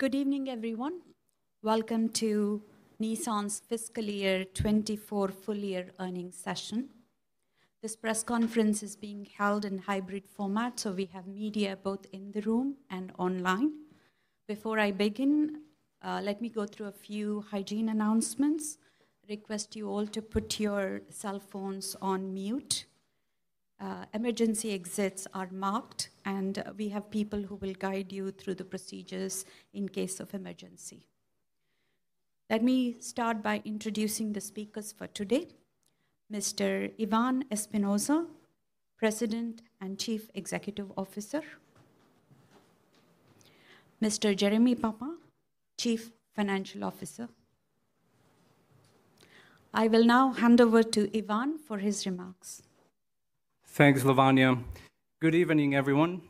Good evening, everyone. Welcome to Nissan's Fiscal Year 2024 Full Year Earnings Session. This press conference is being held in hybrid format, so we have media both in the room and online. Before I begin, let me go through a few hygiene announcements, request you all to put your cell phones on mute. Emergency exits are marked, and we have people who will guide you through the procedures in case of emergency. Let me start by introducing the speakers for today: Mr. Ivan Espinosa, President and Chief Executive Officer; Mr. Jeremie Papin, Chief Financial Officer. I will now hand over to Ivan for his remarks. Thanks, Lavanya. Good evening, everyone,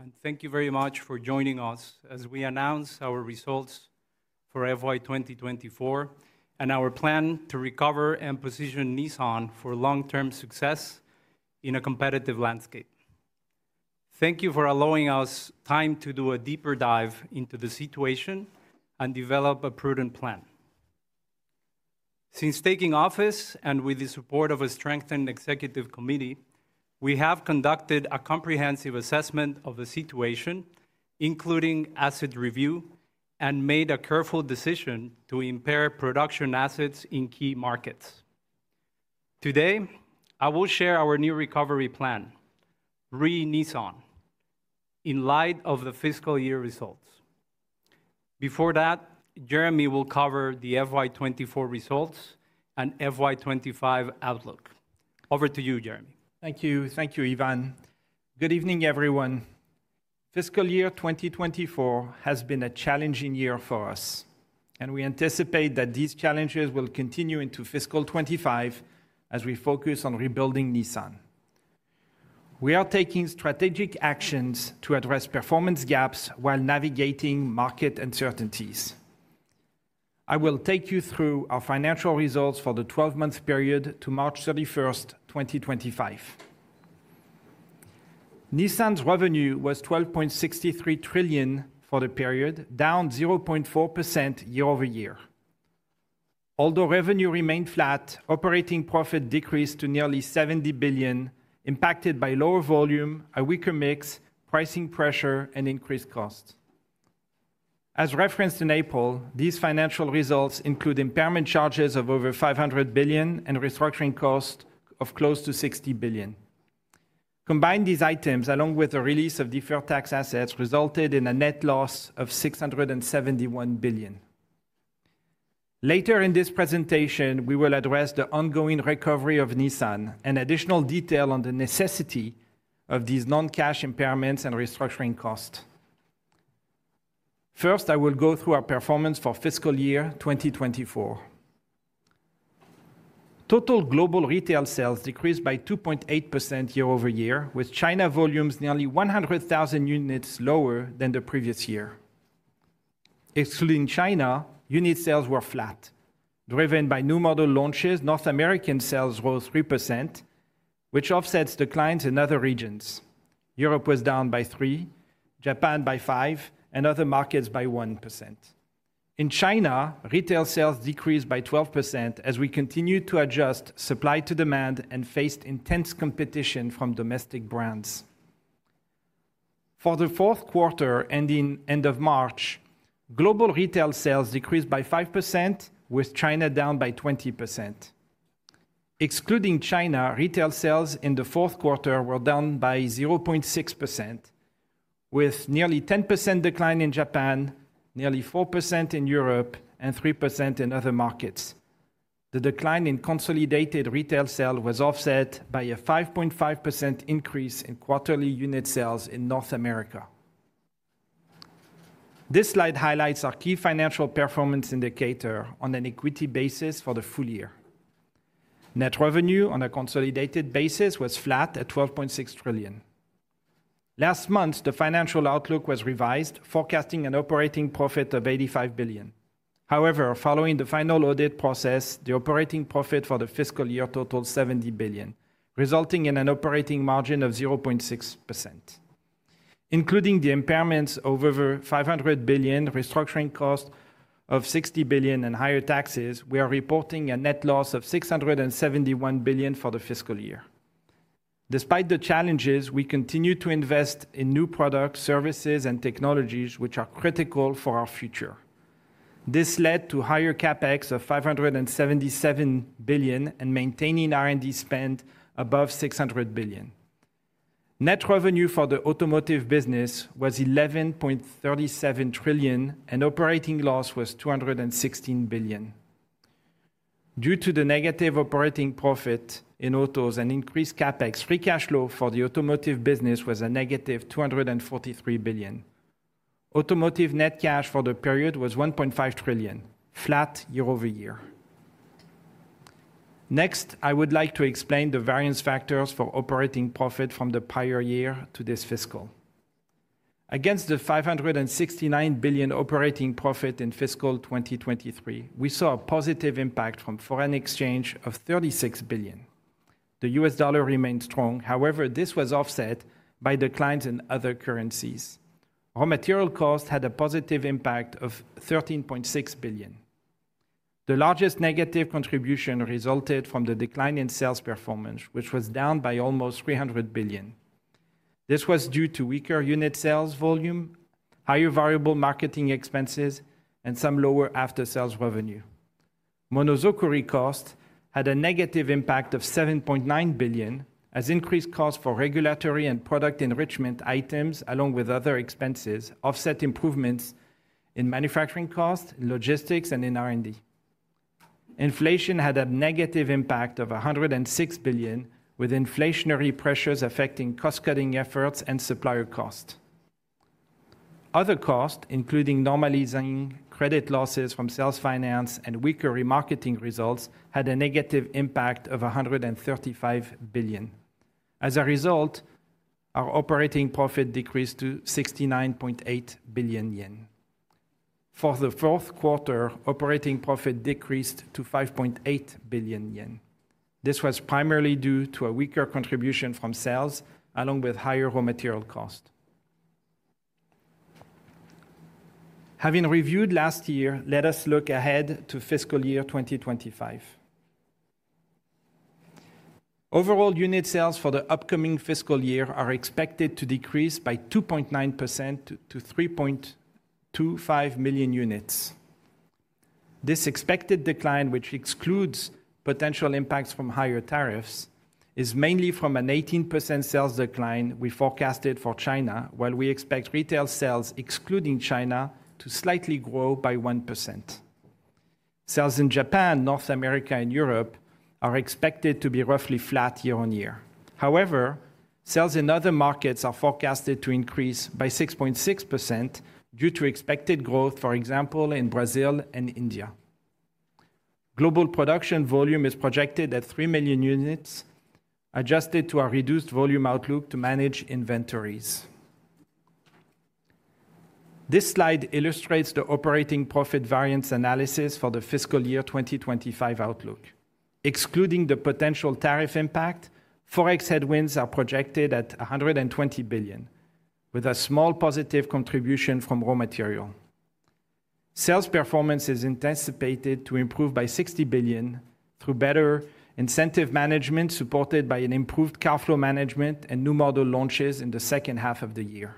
and thank you very much for joining us as we announce our results for FY 2024 and our plan to recover and position Nissan for long-term success in a competitive landscape. Thank you for allowing us time to do a deeper dive into the situation and develop a prudent plan. Since taking office, and with the support of a strengthened executive committee, we have conducted a comprehensive assessment of the situation, including asset review, and made a careful decision to impair production assets in key markets. Today, I will share our new recovery plan, Re-Nissan, in light of the fiscal year results. Before that, Jérémie will cover the FY 2024 results and FY 2025 outlook. Over to you, Jérémie. Thank you. Thank you, Ivan. Good evening, everyone. Fiscal Year 2024 has been a challenging year for us, and we anticipate that these challenges will continue into Fiscal 2025 as we focus on rebuilding Nissan. We are taking strategic actions to address performance gaps while navigating market uncertainties. I will take you through our financial results for the 12-month period to March 31, 2025. Nissan's revenue was 12.63 trillion for the period, down 0.4% year-over-year. Although revenue remained flat, operating profit decreased to nearly 70 billion, impacted by lower volume, a weaker mix, pricing pressure, and increased costs. As referenced in April, these financial results include impairment charges of over 500 billion and restructuring costs of close to 60 billion. Combine these items along with the release of deferred tax assets resulted in a net loss of 671 billion. Later in this presentation, we will address the ongoing recovery of Nissan and additional detail on the necessity of these non-cash impairments and restructuring costs. First, I will go through our performance for Fiscal Year 2024. Total global retail sales decreased by 2.8% year-over-year, with China volumes nearly 100,000 units lower than the previous year. Excluding China, unit sales were flat, driven by new model launches. North American sales rose 3%, which offsets declines in other regions. Europe was down by 3%, Japan by 5%, and other markets by 1%. In China, retail sales decreased by 12% as we continued to adjust supply-to-demand and faced intense competition from domestic brands. For the fourth quarter ending end of March, global retail sales decreased by 5%, with China down by 20%. Excluding China, retail sales in the fourth quarter were down by 0.6%, with nearly 10% decline in Japan, nearly 4% in Europe, and 3% in other markets. The decline in consolidated retail sales was offset by a 5.5% increase in quarterly unit sales in North America. This slide highlights our key financial performance indicator on an equity basis for the full year. Net revenue on a consolidated basis was flat at 12.6 trillion. Last month, the financial outlook was revised, forecasting an operating profit of 85 billion. However, following the final audit process, the operating profit for the fiscal year totaled 70 billion, resulting in an operating margin of 0.6%. Including the impairments of over 500 billion, restructuring costs of 60 billion, and higher taxes, we are reporting a net loss of 671 billion for the fiscal year. Despite the challenges, we continue to invest in new products, services, and technologies which are critical for our future. This led to higher CapEx of 577 billion and maintaining R&D spend above 600 billion. Net revenue for the automotive business was 11.37 trillion, and operating loss was 216 billion. Due to the negative operating profit in autos and increased CapEx, free cash flow for the automotive business was a negative 243 billion. Automotive net cash for the period was 1.5 trillion, flat year-over-year. Next, I would like to explain the variance factors for operating profit from the prior year to this fiscal. Against the 569 billion operating profit in Fiscal 2023, we saw a positive impact from foreign exchange of 36 billion. The US dollar remained strong; however, this was offset by declines in other currencies. Raw material costs had a positive impact of 13.6 billion. The largest negative contribution resulted from the decline in sales performance, which was down by almost 300 billion. This was due to weaker unit sales volume, higher variable marketing expenses, and some lower after-sales revenue. Monozokuri costs had a negative impact of 7.9 billion, as increased costs for regulatory and product enrichment items, along with other expenses, offset improvements in manufacturing costs, logistics, and in R&D. Inflation had a negative impact of 106 billion, with inflationary pressures affecting cost-cutting efforts and supplier costs. Other costs, including normalizing credit losses from sales finance and weaker remarketing results, had a negative impact of 135 billion. As a result, our operating profit decreased to 69.8 billion yen. For the fourth quarter, operating profit decreased to 5.8 billion yen. This was primarily due to a weaker contribution from sales, along with higher raw material costs. Having reviewed last year, let us look ahead to Fiscal Year 2025. Overall unit sales for the upcoming fiscal year are expected to decrease by 2.9% to 3.25 million units. This expected decline, which excludes potential impacts from higher tariffs, is mainly from an 18% sales decline we forecasted for China, while we expect retail sales, excluding China, to slightly grow by 1%. Sales in Japan, North America, and Europe are expected to be roughly flat year-on-year. However, sales in other markets are forecasted to increase by 6.6% due to expected growth, for example, in Brazil and India. Global production volume is projected at 3 million units, adjusted to a reduced volume outlook to manage inventories. This slide illustrates the operating profit variance analysis for the Fiscal Year 2025 outlook. Excluding the potential tariff impact, forex headwinds are projected at 120 billion, with a small positive contribution from raw material. Sales performance is anticipated to improve by 60 billion through better incentive management supported by an improved cash flow management and new model launches in the second half of the year.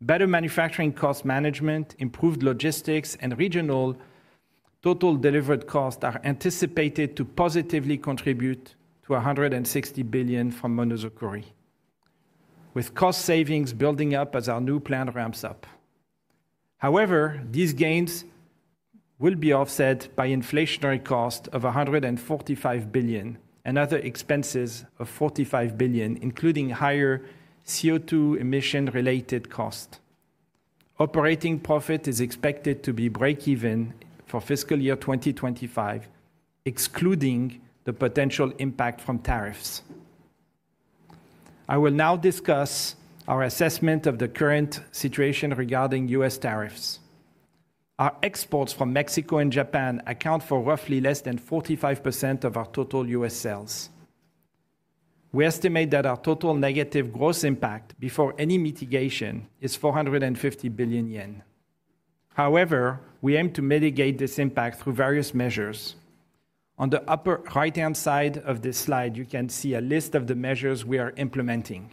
Better manufacturing cost management, improved logistics, and regional total delivered costs are anticipated to positively contribute to 160 billion from monozokuri, with cost savings building up as our new plan ramps up. However, these gains will be offset by inflationary costs of 145 billion and other expenses of 45 billion, including higher CO2 emission-related costs. Operating profit is expected to be break-even for Fiscal Year 2025, excluding the potential impact from tariffs. I will now discuss our assessment of the current situation regarding U.S. tariffs. Our exports from Mexico and Japan account for roughly less than 45% of our total U.S. sales. We estimate that our total negative gross impact before any mitigation is 450 billion yen. However, we aim to mitigate this impact through various measures. On the upper right-hand side of this slide, you can see a list of the measures we are implementing.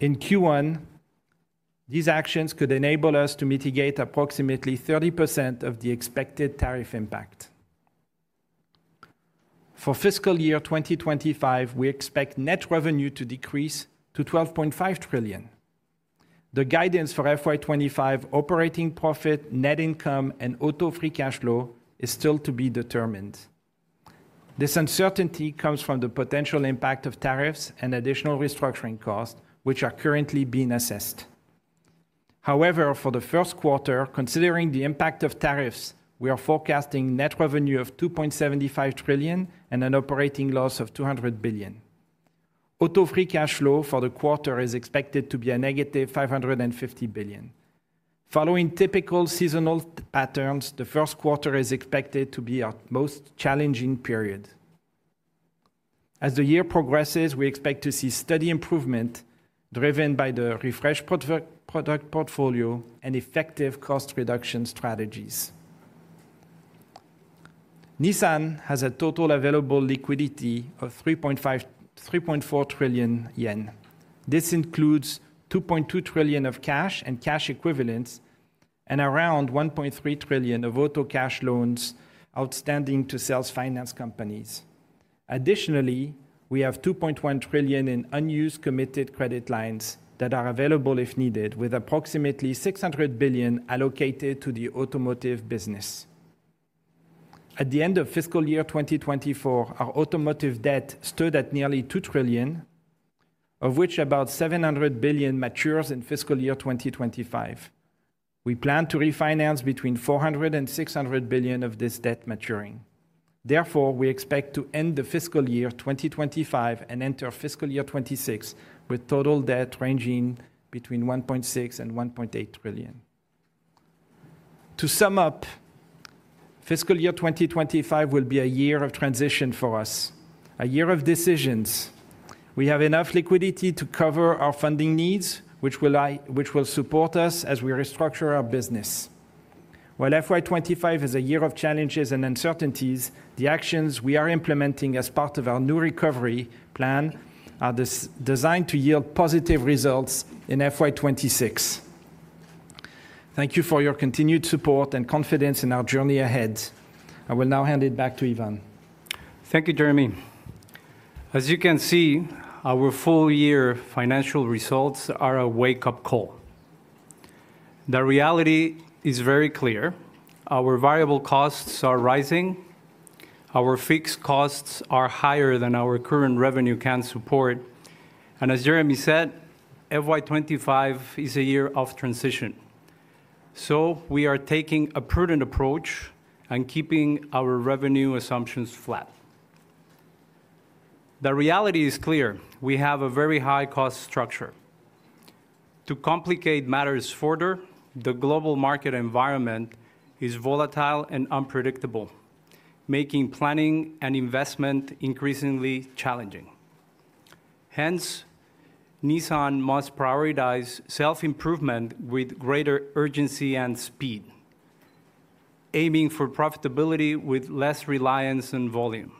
In Q1, these actions could enable us to mitigate approximately 30% of the expected tariff impact. For Fiscal Year 2025, we expect net revenue to decrease to 12.5 trillion. The guidance for FY 2025 operating profit, net income, and auto free cash flow is still to be determined. This uncertainty comes from the potential impact of tariffs and additional restructuring costs, which are currently being assessed. However, for the first quarter, considering the impact of tariffs, we are forecasting net revenue of 2.75 trillion and an operating loss of 200 billion. Auto free cash flow for the quarter is expected to be a negative 550 billion. Following typical seasonal patterns, the first quarter is expected to be our most challenging period. As the year progresses, we expect to see steady improvement driven by the refreshed product portfolio and effective cost reduction strategies. Nissan has a total available liquidity of 3.4 trillion yen. This includes 2.2 trillion of cash and cash equivalents and around 1.3 trillion of auto cash loans outstanding to sales finance companies. Additionally, we have 2.1 trillion in unused committed credit lines that are available if needed, with approximately 600 billion allocated to the automotive business. At the end of Fiscal Year 2024, our automotive debt stood at nearly 2 trillion, of which about 700 billion matures in Fiscal Year 2025. We plan to refinance between 400-600 billion of this debt maturing. Therefore, we expect to end the Fiscal Year 2025 and enter Fiscal Year 2026 with total debt ranging between 1.6-1.8 trillion. To sum up, Fiscal Year 2025 will be a year of transition for us, a year of decisions. We have enough liquidity to cover our funding needs, which will support us as we restructure our business. While FY 2025 is a year of challenges and uncertainties, the actions we are implementing as part of our new recovery plan are designed to yield positive results in FY 2026. Thank you for your continued support and confidence in our journey ahead. I will now hand it back to Ivan. Thank you, Jérémie. As you can see, our full-year financial results are a wake-up call. The reality is very clear. Our variable costs are rising. Our fixed costs are higher than our current revenue can support. As Jérémie said, FY 2025 is a year of transition. We are taking a prudent approach and keeping our revenue assumptions flat. The reality is clear. We have a very high-cost structure. To complicate matters further, the global market environment is volatile and unpredictable, making planning and investment increasingly challenging. Hence, Nissan must prioritize self-improvement with greater urgency and speed, aiming for profitability with less reliance on volume.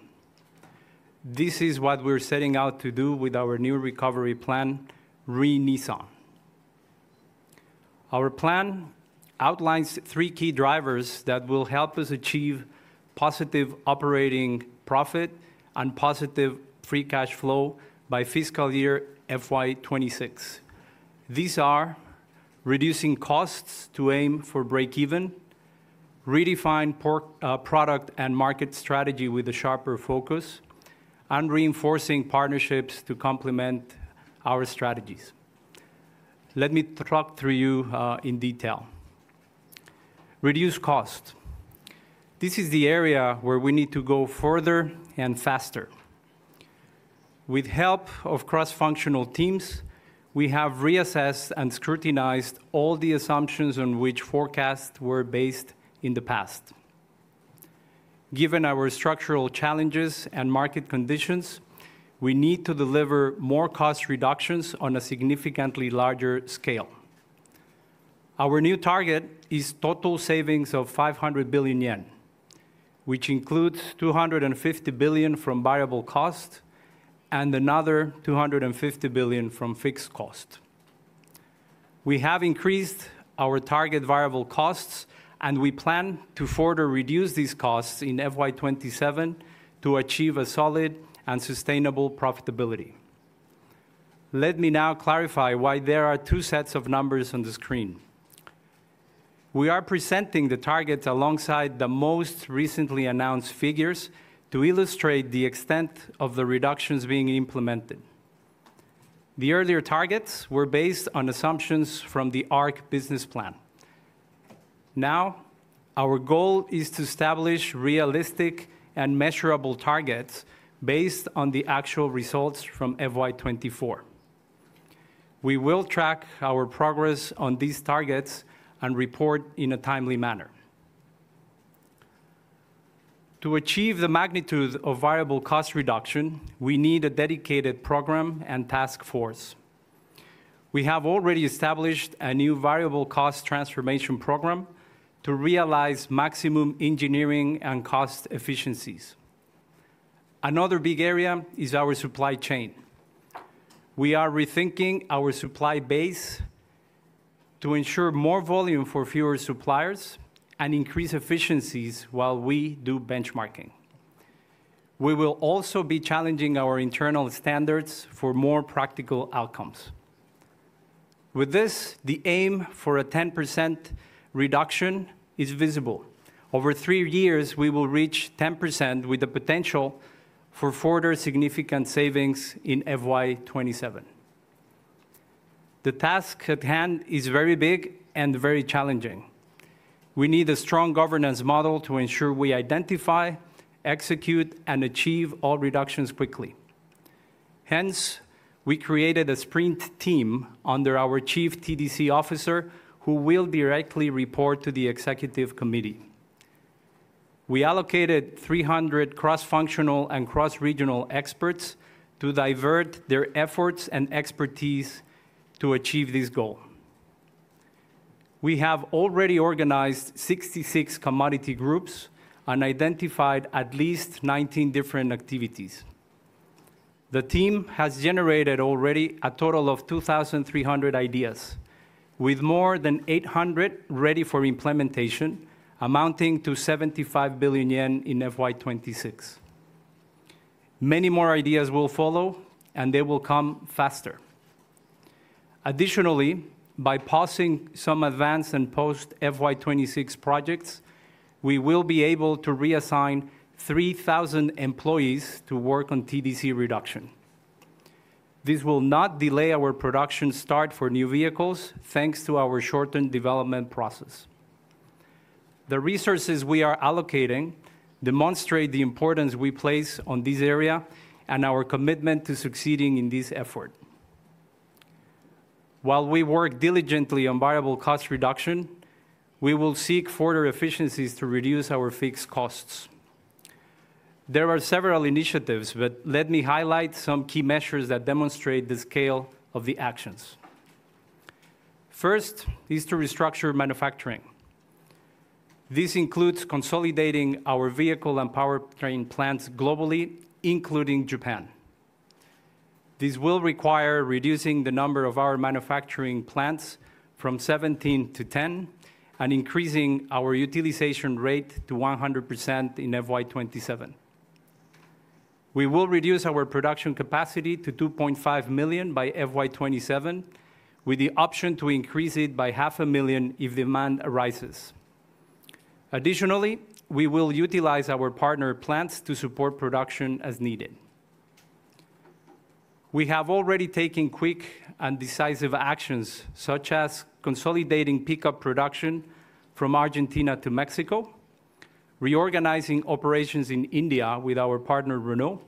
This is what we're setting out to do with our new recovery plan, Re-Nissan. Our plan outlines three key drivers that will help us achieve positive operating profit and positive free cash flow by Fiscal Year 2026. These are reducing costs to aim for break-even, redefine product and market strategy with a sharper focus, and reinforcing partnerships to complement our strategies. Let me talk through you in detail. Reduce costs. This is the area where we need to go further and faster. With the help of cross-functional teams, we have reassessed and scrutinized all the assumptions on which forecasts were based in the past. Given our structural challenges and market conditions, we need to deliver more cost reductions on a significantly larger scale. Our new target is total savings of $500 billion, which includes $250 billion from variable costs and another $250 billion from fixed costs. We have increased our target variable costs, and we plan to further reduce these costs in FY 2027 to achieve a solid and sustainable profitability. Let me now clarify why there are two sets of numbers on the screen. We are presenting the targets alongside the most recently announced figures to illustrate the extent of the reductions being implemented. The earlier targets were based on assumptions from the ARC business plan. Now, our goal is to establish realistic and measurable targets based on the actual results from FY 2024. We will track our progress on these targets and report in a timely manner. To achieve the magnitude of variable cost reduction, we need a dedicated program and task force. We have already established a new variable cost transformation program to realize maximum engineering and cost efficiencies. Another big area is our supply chain. We are rethinking our supply base to ensure more volume for fewer suppliers and increase efficiencies while we do benchmarking. We will also be challenging our internal standards for more practical outcomes. With this, the aim for a 10% reduction is visible. Over three years, we will reach 10% with the potential for further significant savings in FY 2027. The task at hand is very big and very challenging. We need a strong governance model to ensure we identify, execute, and achieve all reductions quickly. Hence, we created a sprint team under our Chief TDC Officer who will directly report to the executive committee. We allocated 300 cross-functional and cross-regional experts to divert their efforts and expertise to achieve this goal. We have already organized 66 commodity groups and identified at least 19 different activities. The team has generated already a total of 2,300 ideas, with more than 800 ready for implementation, amounting to 75 billion yen in FY 2026. Many more ideas will follow, and they will come faster. Additionally, by pausing some advanced and post-FY 2026 projects, we will be able to reassign 3,000 employees to work on TDC reduction. This will not delay our production start for new vehicles, thanks to our shortened development process. The resources we are allocating demonstrate the importance we place on this area and our commitment to succeeding in this effort. While we work diligently on variable cost reduction, we will seek further efficiencies to reduce our fixed costs. There are several initiatives, but let me highlight some key measures that demonstrate the scale of the actions. First is to restructure manufacturing. This includes consolidating our vehicle and powertrain plants globally, including Japan. This will require reducing the number of our manufacturing plants from 17 to 10 and increasing our utilization rate to 100% in FY 2027. We will reduce our production capacity to 2.5 million by FY 2027, with the option to increase it by 500,000 if demand arises. Additionally, we will utilize our partner plants to support production as needed. We have already taken quick and decisive actions, such as consolidating pickup production from Argentina to Mexico, reorganizing operations in India with our partner Renault,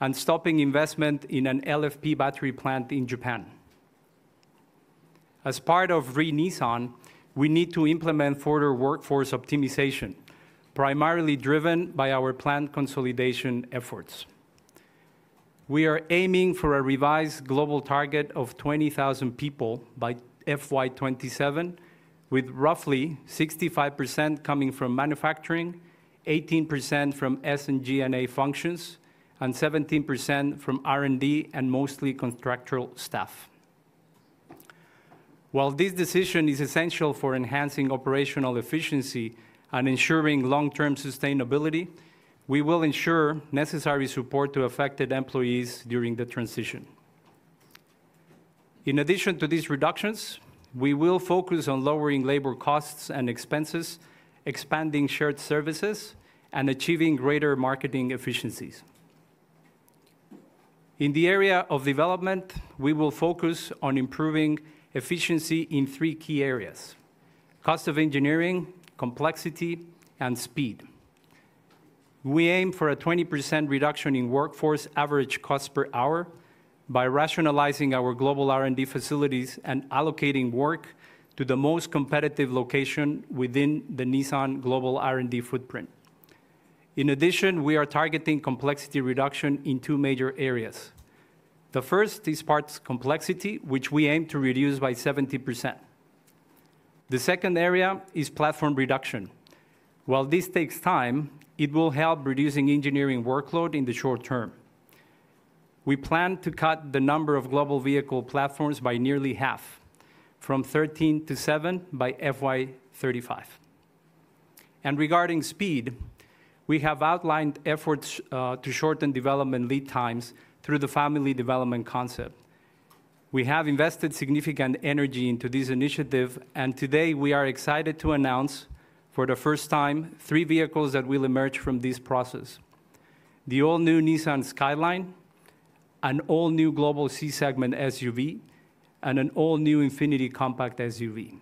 and stopping investment in an LFP battery plant in Japan. As part of Re-Nissan, we need to implement further workforce optimization, primarily driven by our plant consolidation efforts. We are aiming for a revised global target of 20,000 people by FY 2027, with roughly 65% coming from manufacturing, 18% from S and G&A functions, and 17% from R&D and mostly contractual staff. While this decision is essential for enhancing operational efficiency and ensuring long-term sustainability, we will ensure necessary support to affected employees during the transition. In addition to these reductions, we will focus on lowering labor costs and expenses, expanding shared services, and achieving greater marketing efficiencies. In the area of development, we will focus on improving efficiency in three key areas: cost of engineering, complexity, and speed. We aim for a 20% reduction in workforce average cost per hour by rationalizing our global R&D facilities and allocating work to the most competitive location within the Nissan global R&D footprint. In addition, we are targeting complexity reduction in two major areas. The first is parts complexity, which we aim to reduce by 70%. The second area is platform reduction. While this takes time, it will help reduce engineering workload in the short term. We plan to cut the number of global vehicle platforms by nearly half, from 13 to 7 by FY 2035. Regarding speed, we have outlined efforts to shorten development lead times through the family development concept. We have invested significant energy into this initiative, and today we are excited to announce, for the first time, three vehicles that will emerge from this process: the all-new Nissan Skyline, an all-new global C-segment SUV, and an all-new Infiniti Compact SUV.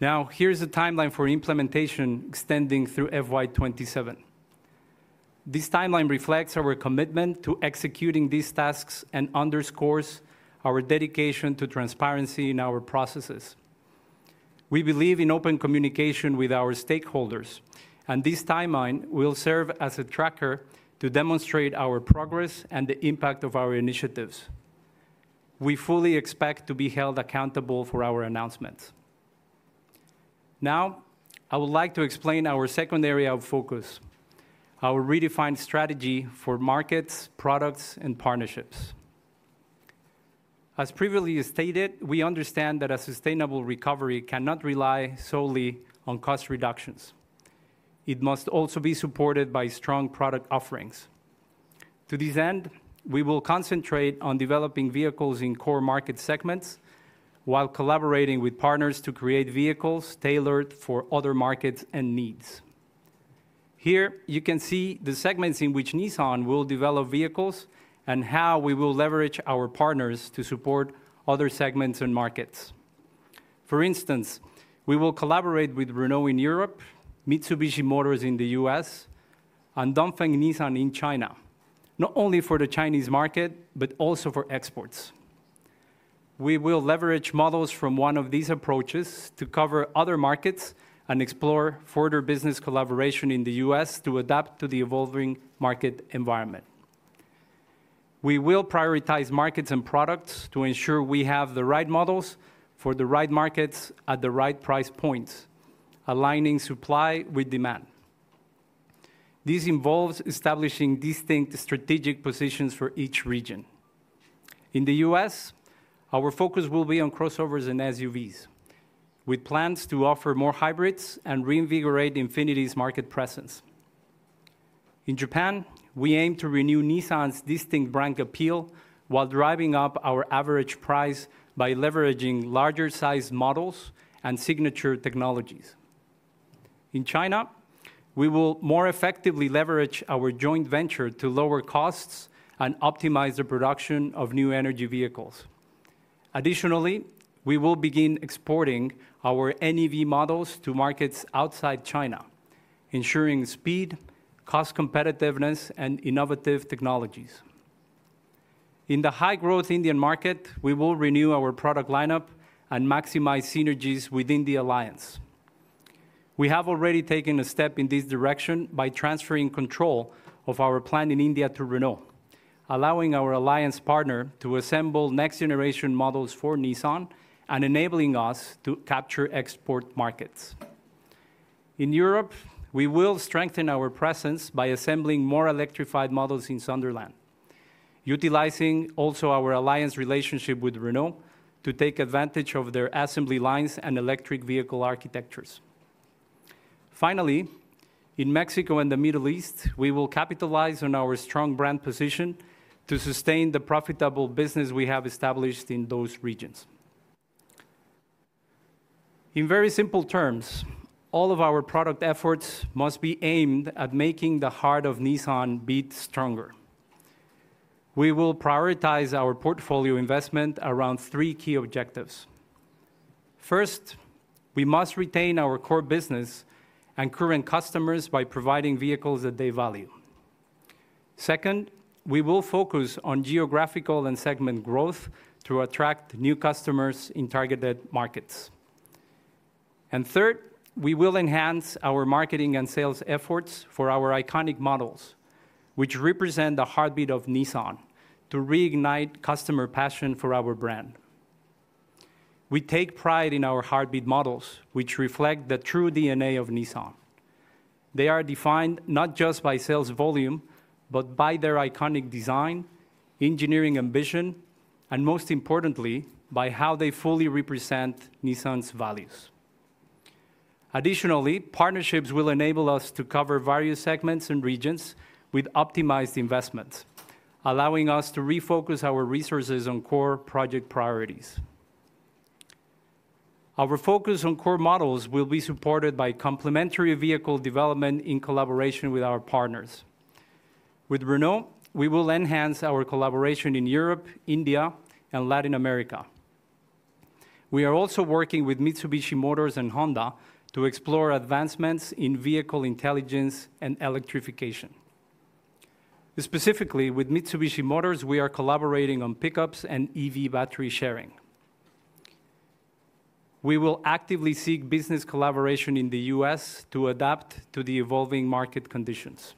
Now, here's the timeline for implementation extending through FY 2027. This timeline reflects our commitment to executing these tasks and underscores our dedication to transparency in our processes. We believe in open communication with our stakeholders, and this timeline will serve as a tracker to demonstrate our progress and the impact of our initiatives. We fully expect to be held accountable for our announcements. Now, I would like to explain our second area of focus, our redefined strategy for markets, products, and partnerships. As previously stated, we understand that a sustainable recovery cannot rely solely on cost reductions. It must also be supported by strong product offerings. To this end, we will concentrate on developing vehicles in core market segments while collaborating with partners to create vehicles tailored for other markets and needs. Here, you can see the segments in which Nissan will develop vehicles and how we will leverage our partners to support other segments and markets. For instance, we will collaborate with Renault in Europe, Mitsubishi Motors in the US, and Dongfeng Nissan in China, not only for the Chinese market, but also for exports. We will leverage models from one of these approaches to cover other markets and explore further business collaboration in the US to adapt to the evolving market environment. We will prioritize markets and products to ensure we have the right models for the right markets at the right price points, aligning supply with demand. This involves establishing distinct strategic positions for each region. In the US, our focus will be on crossovers and SUVs, with plans to offer more hybrids and reinvigorate Infiniti's market presence. In Japan, we aim to renew Nissan's distinct brand appeal while driving up our average price by leveraging larger-sized models and signature technologies. In China, we will more effectively leverage our joint venture to lower costs and optimize the production of new energy vehicles. Additionally, we will begin exporting our NEV models to markets outside China, ensuring speed, cost competitiveness, and innovative technologies. In the high-growth Indian market, we will renew our product lineup and maximize synergies within the alliance. We have already taken a step in this direction by transferring control of our plant in India to Renault, allowing our alliance partner to assemble next-generation models for Nissan and enabling us to capture export markets. In Europe, we will strengthen our presence by assembling more electrified models in Sunderland, utilizing also our alliance relationship with Renault to take advantage of their assembly lines and electric vehicle architectures. Finally, in Mexico and the Middle East, we will capitalize on our strong brand position to sustain the profitable business we have established in those regions. In very simple terms, all of our product efforts must be aimed at making the heart of Nissan beat stronger. We will prioritize our portfolio investment around three key objectives. First, we must retain our core business and current customers by providing vehicles that they value. Second, we will focus on geographical and segment growth to attract new customers in targeted markets. Third, we will enhance our marketing and sales efforts for our iconic models, which represent the heartbeat of Nissan, to reignite customer passion for our brand. We take pride in our heartbeat models, which reflect the true DNA of Nissan. They are defined not just by sales volume, but by their iconic design, engineering ambition, and most importantly, by how they fully represent Nissan's values. Additionally, partnerships will enable us to cover various segments and regions with optimized investments, allowing us to refocus our resources on core project priorities. Our focus on core models will be supported by complementary vehicle development in collaboration with our partners. With Renault, we will enhance our collaboration in Europe, India, and Latin America. We are also working with Mitsubishi Motors and Honda to explore advancements in vehicle intelligence and electrification. Specifically, with Mitsubishi Motors, we are collaborating on pickups and EV battery sharing. We will actively seek business collaboration in the US to adapt to the evolving market conditions.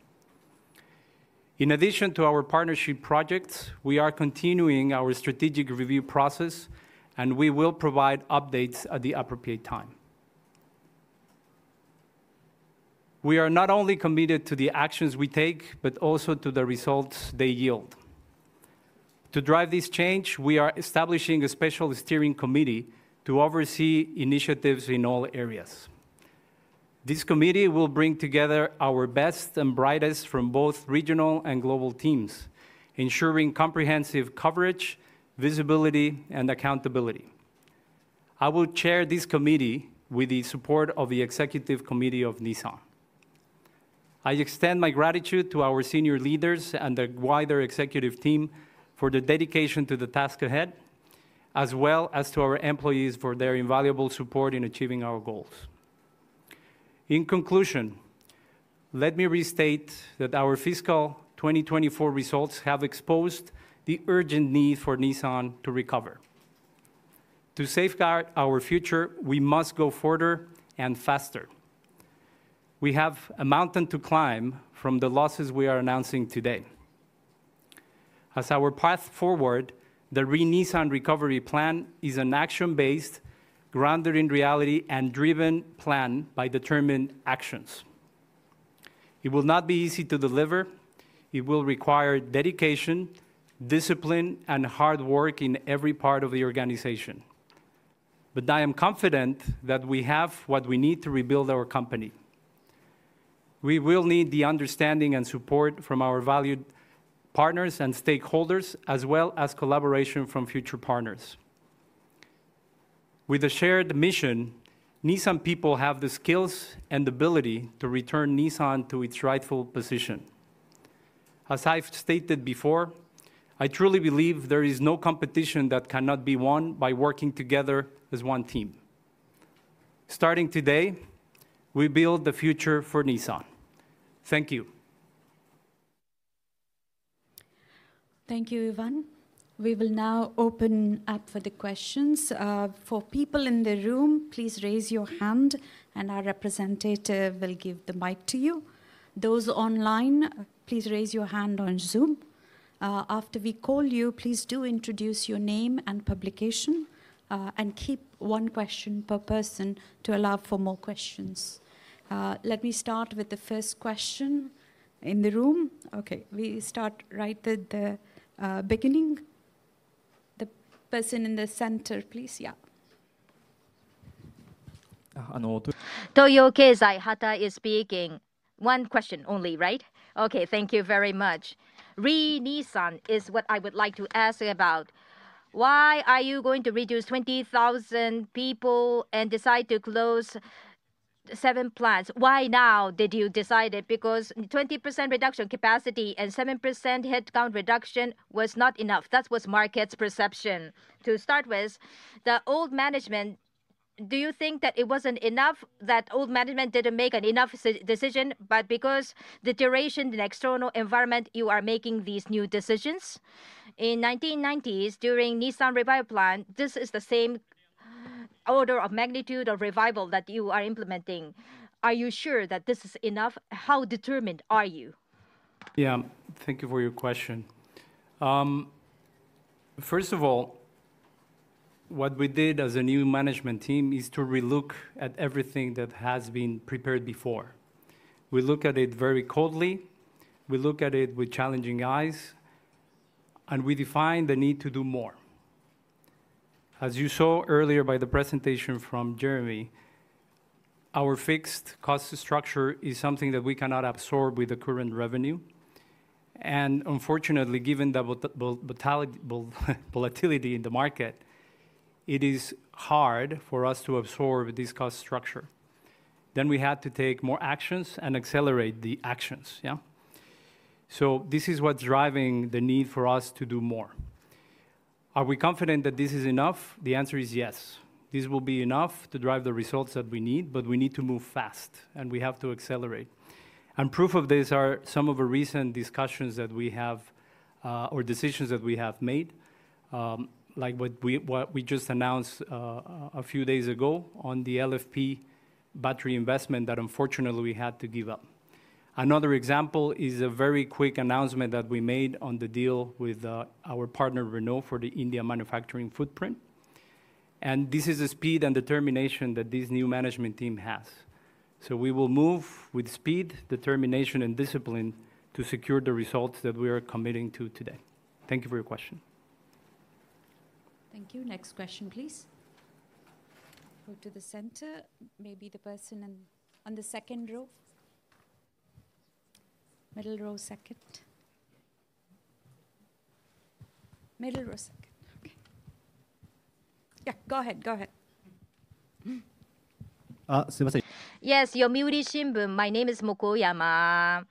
In addition to our partnership projects, we are continuing our strategic review process, and we will provide updates at the appropriate time. We are not only committed to the actions we take, but also to the results they yield. To drive this change, we are establishing a special steering committee to oversee initiatives in all areas. This committee will bring together our best and brightest from both regional and global teams, ensuring comprehensive coverage, visibility, and accountability. I will chair this committee with the support of the Executive Committee of Nissan. I extend my gratitude to our senior leaders and the wider executive team for the dedication to the task ahead, as well as to our employees for their invaluable support in achieving our goals. In conclusion, let me restate that our fiscal 2024 results have exposed the urgent need for Nissan to recover. To safeguard our future, we must go further and faster. We have a mountain to climb from the losses we are announcing today. As our path forward, the Re-Nissan Recovery Plan is an action-based, grounded in reality, and driven plan by determined actions. It will not be easy to deliver. It will require dedication, discipline, and hard work in every part of the organization. I am confident that we have what we need to rebuild our company. We will need the understanding and support from our valued partners and stakeholders, as well as collaboration from future partners. With a shared mission, Nissan people have the skills and ability to return Nissan to its rightful position. As I've stated before, I truly believe there is no competition that cannot be won by working together as one team. Starting today, we build the future for Nissan. Thank you. Thank you, Ivan. We will now open up for the questions. For people in the room, please raise your hand, and our representative will give the mic to you. Those online, please raise your hand on Zoom. After we call you, please do introduce your name and publication, and keep one question per person to allow for more questions. Let me start with the first question in the room. Okay, we start right at the beginning. The person in the center, please. Yeah. Hello. Toyo Keizai, Hattai is speaking. One question only, right? Okay, thank you very much. Re-Nissan is what I would like to ask about. Why are you going to reduce 20,000 people and decide to close seven plants? Why now did you decide it? Because 20% reduction capacity and 7% headcount reduction was not enough. That was market's perception. To start with, the old management, do you think that it was not enough that old management did not make an enough decision, but because the duration and external environment you are making these new decisions? In the 1990s, during Nissan Revival Plan, this is the same order of magnitude of revival that you are implementing. Are you sure that this is enough? How determined are you? Yeah, thank you for your question. First of all, what we did as a new management team is to relook at everything that has been prepared before. We look at it very coldly. We look at it with challenging eyes, and we define the need to do more. As you saw earlier by the presentation from Jérémie, our fixed cost structure is something that we cannot absorb with the current revenue. Unfortunately, given the volatility in the market, it is hard for us to absorb this cost structure. We had to take more actions and accelerate the actions. Yeah. This is what is driving the need for us to do more. Are we confident that this is enough? The answer is yes. This will be enough to drive the results that we need, but we need to move fast, and we have to accelerate. Proof of this are some of the recent discussions that we have or decisions that we have made, like what we just announced a few days ago on the LFP battery investment that unfortunately we had to give up. Another example is a very quick announcement that we made on the deal with our partner Renault for the India manufacturing footprint. This is the speed and determination that this new management team has. We will move with speed, determination, and discipline to secure the results that we are committing to today. Thank you for your question. Thank you. Next question, please. Over to the center. Maybe the person on the second row. Middle row second. Middle row second. Okay. Yeah, go ahead. Go ahead. Yes, Yomiuri Shimbun. My name is Muko Yama.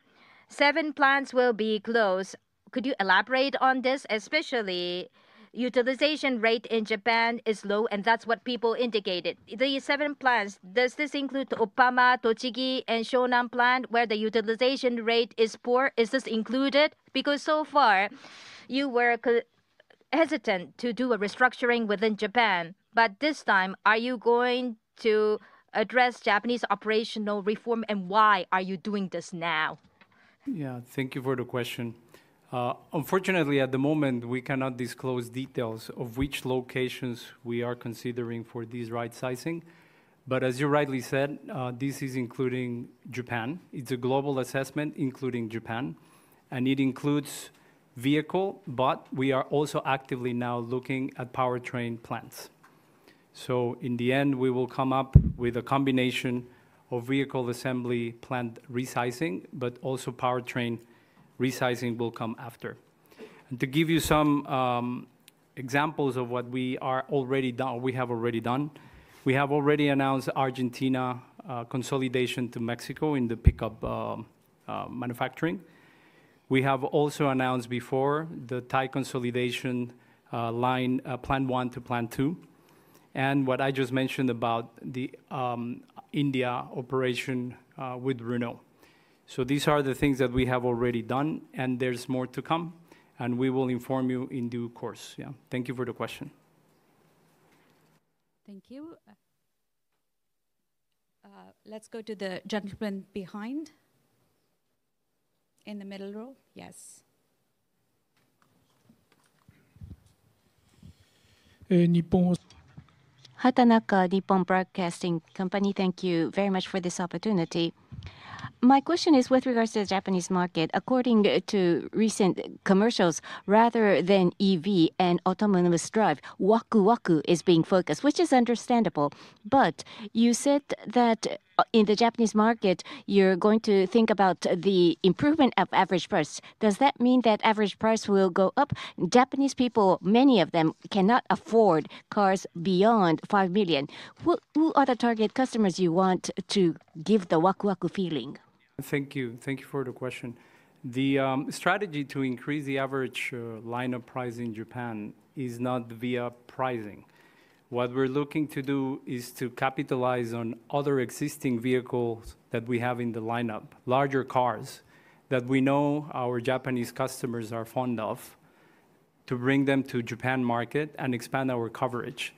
Seven plants will be closed. Could you elaborate on this? Especially utilization rate in Japan is low, and that's what people indicated. The seven plants, does this include the Oppama, Tochigi, and Shonan plant where the utilization rate is poor? Is this included? Because so far, you were hesitant to do a restructuring within Japan. But this time, are you going to address Japanese operational reform, and why are you doing this now? Yeah, thank you for the question. Unfortunately, at the moment, we cannot disclose details of which locations we are considering for this right sizing. As you rightly said, this is including Japan. It's a global assessment including Japan, and it includes vehicle, but we are also actively now looking at powertrain plants. In the end, we will come up with a combination of vehicle assembly plant resizing, but also powertrain resizing will come after. To give you some examples of what we have already done, we have already announced Argentina consolidation to Mexico in the pickup manufacturing. We have also announced before the Thai consolidation line plan one to plan two, and what I just mentioned about the India operation with Renault. These are the things that we have already done, and there's more to come, and we will inform you in due course. Yeah, thank you for the question. Thank you. Let's go to the gentleman behind in the middle row. Yes. 畑中, Nippon Broadcasting Company. Thank you very much for this opportunity. My question is with regards to the Japanese market. According to recent commercials, rather than EV and autonomous drive, Waku Waku is being focused, which is understandable. You said that in the Japanese market, you're going to think about the improvement of average price. Does that mean that average price will go up? Japanese people, many of them, cannot afford cars beyond 5 million. Who are the target customers you want to give the Waku Waku feeling? Thank you. Thank you for the question. The strategy to increase the average lineup price in Japan is not via pricing. What we're looking to do is to capitalize on other existing vehicles that we have in the lineup, larger cars that we know our Japanese customers are fond of, to bring them to the Japan market and expand our coverage.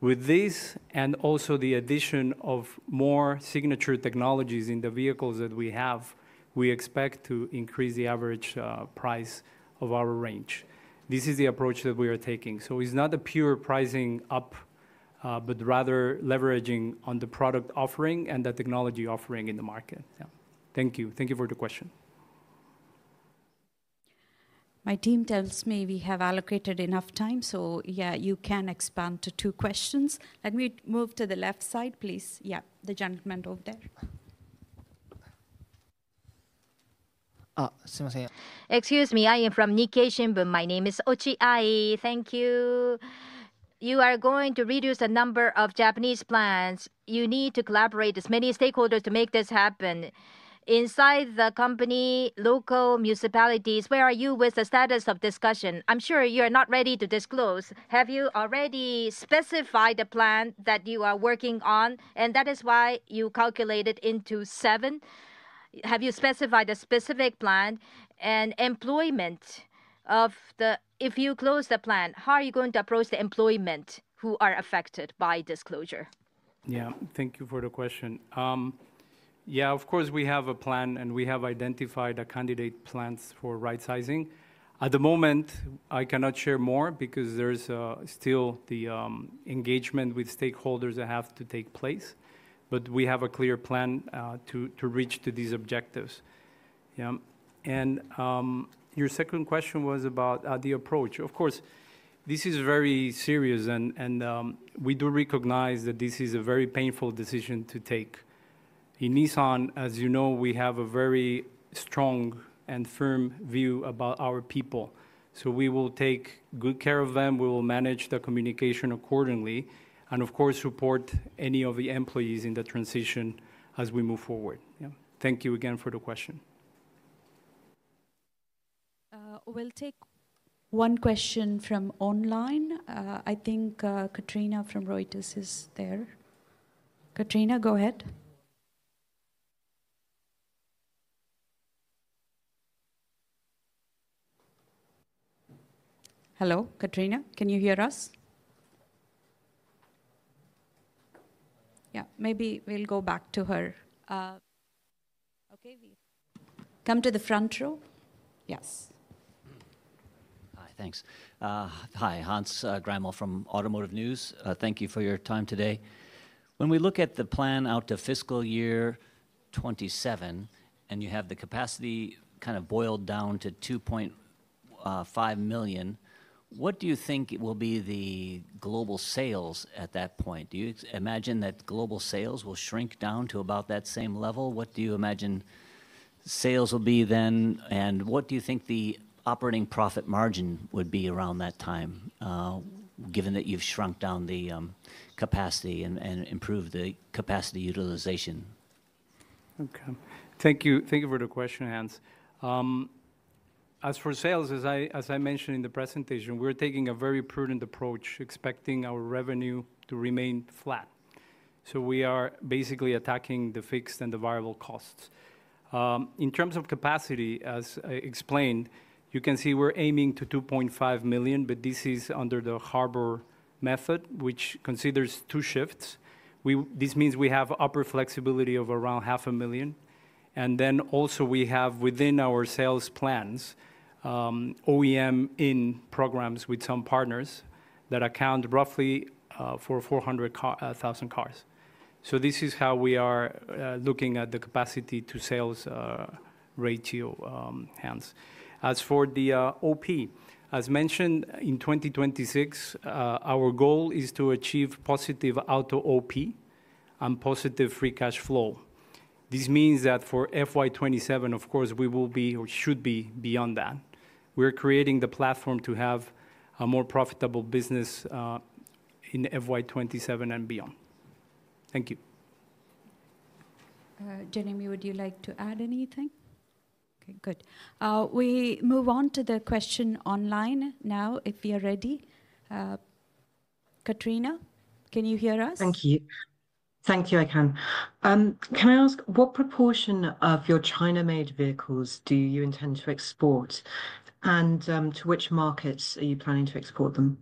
With this and also the addition of more signature technologies in the vehicles that we have, we expect to increase the average price of our range. This is the approach that we are taking. It is not a pure pricing up, but rather leveraging on the product offering andthe technology offering in the market. Yeah, thank you. Thank you for the question. My team tells me we have allocated enough time, so yeah, you can expand to two questions. Let me move to the left side, please. Yeah, the gentleman over there. Excuse me, I am from Nikkei Shimbun. My name is Ochiai. Thank you. You are going to reduce the number of Japanese plants. You need to collaborate with many stakeholders to make this happen. Inside the company, local municipalities, where are you with the status of discussion? I'm sure you are not ready to disclose. Have you already specified the plan that you are working on, and that is why you calculated into seven? Have you specified a specific plan and employment of the... If you close the plan, how are you going to approach the employment who are affected by disclosure? Yeah, thank you for the question. Yeah, of course, we have a plan, and we have identified candidate plans for right sizing. At the moment, I cannot share more because there's still the engagement with stakeholders that have to take place, but we have a clear plan to reach these objectives. Yeah, and your second question was about the approach. Of course, this is very serious, and we do recognize that this is a very painful decision to take. In Nissan, as you know, we have a very strong and firm view about our people. So we will take good care of them. We will manage the communication accordingly, and of course, support any of the employees in the transition as we move forward. Yeah, thank you again for the question. We'll take one question from online. I think Katrina from Reuters is there. Katrina, go ahead. Hello, Katrina. Can you hear us? Yeah, maybe we'll go back to her. Okay, we come to the front row. Yes. Hi, thanks. Hi, Hans Greimel from Automotive News. Thank you for your time today. When we look at the plan out to fiscal year 2027, and you have the capacity kind of boiled down to 2.5 million, what do you think will be the global sales at that point? Do you imagine that global sales will shrink down to about that same level? What do you imagine sales will be then? What do you think the operating profit margin would be around that time, given that you have shrunk down the capacity and improved the capacity utilization? Okay, thank you. Thank you for the question, Hans. As for sales, as I mentioned in the presentation, we are taking a very prudent approach, expecting our revenue to remain flat. We are basically attacking the fixed and the variable costs. In terms of capacity, as I explained, you can see we are aiming to 2.5 million, but this is under the Harbor method, which considers two shifts. This means we have upper flexibility of around 500,000. And then also we have within our sales plans, OEM-in programs with some partners that account roughly for 400,000 cars. This is how we are looking at the capacity-to-sales ratio, Hans. As for the OP, as mentioned in 2026, our goal is to achieve positive auto OP and positive free cash flow. This means that for FY2027, of course, we will be or should be beyond that. We are creating the platform to have a more profitable business in FY2027 and beyond. Thank you. Jérémie, would you like to add anything? Okay, good. We move on to the question online now, if you are ready. Katrina, can you hear us? Thank you. Thank you, I can. Can I ask what proportion of your China-made vehicles do you intend to export, and to which markets are you planning to export them?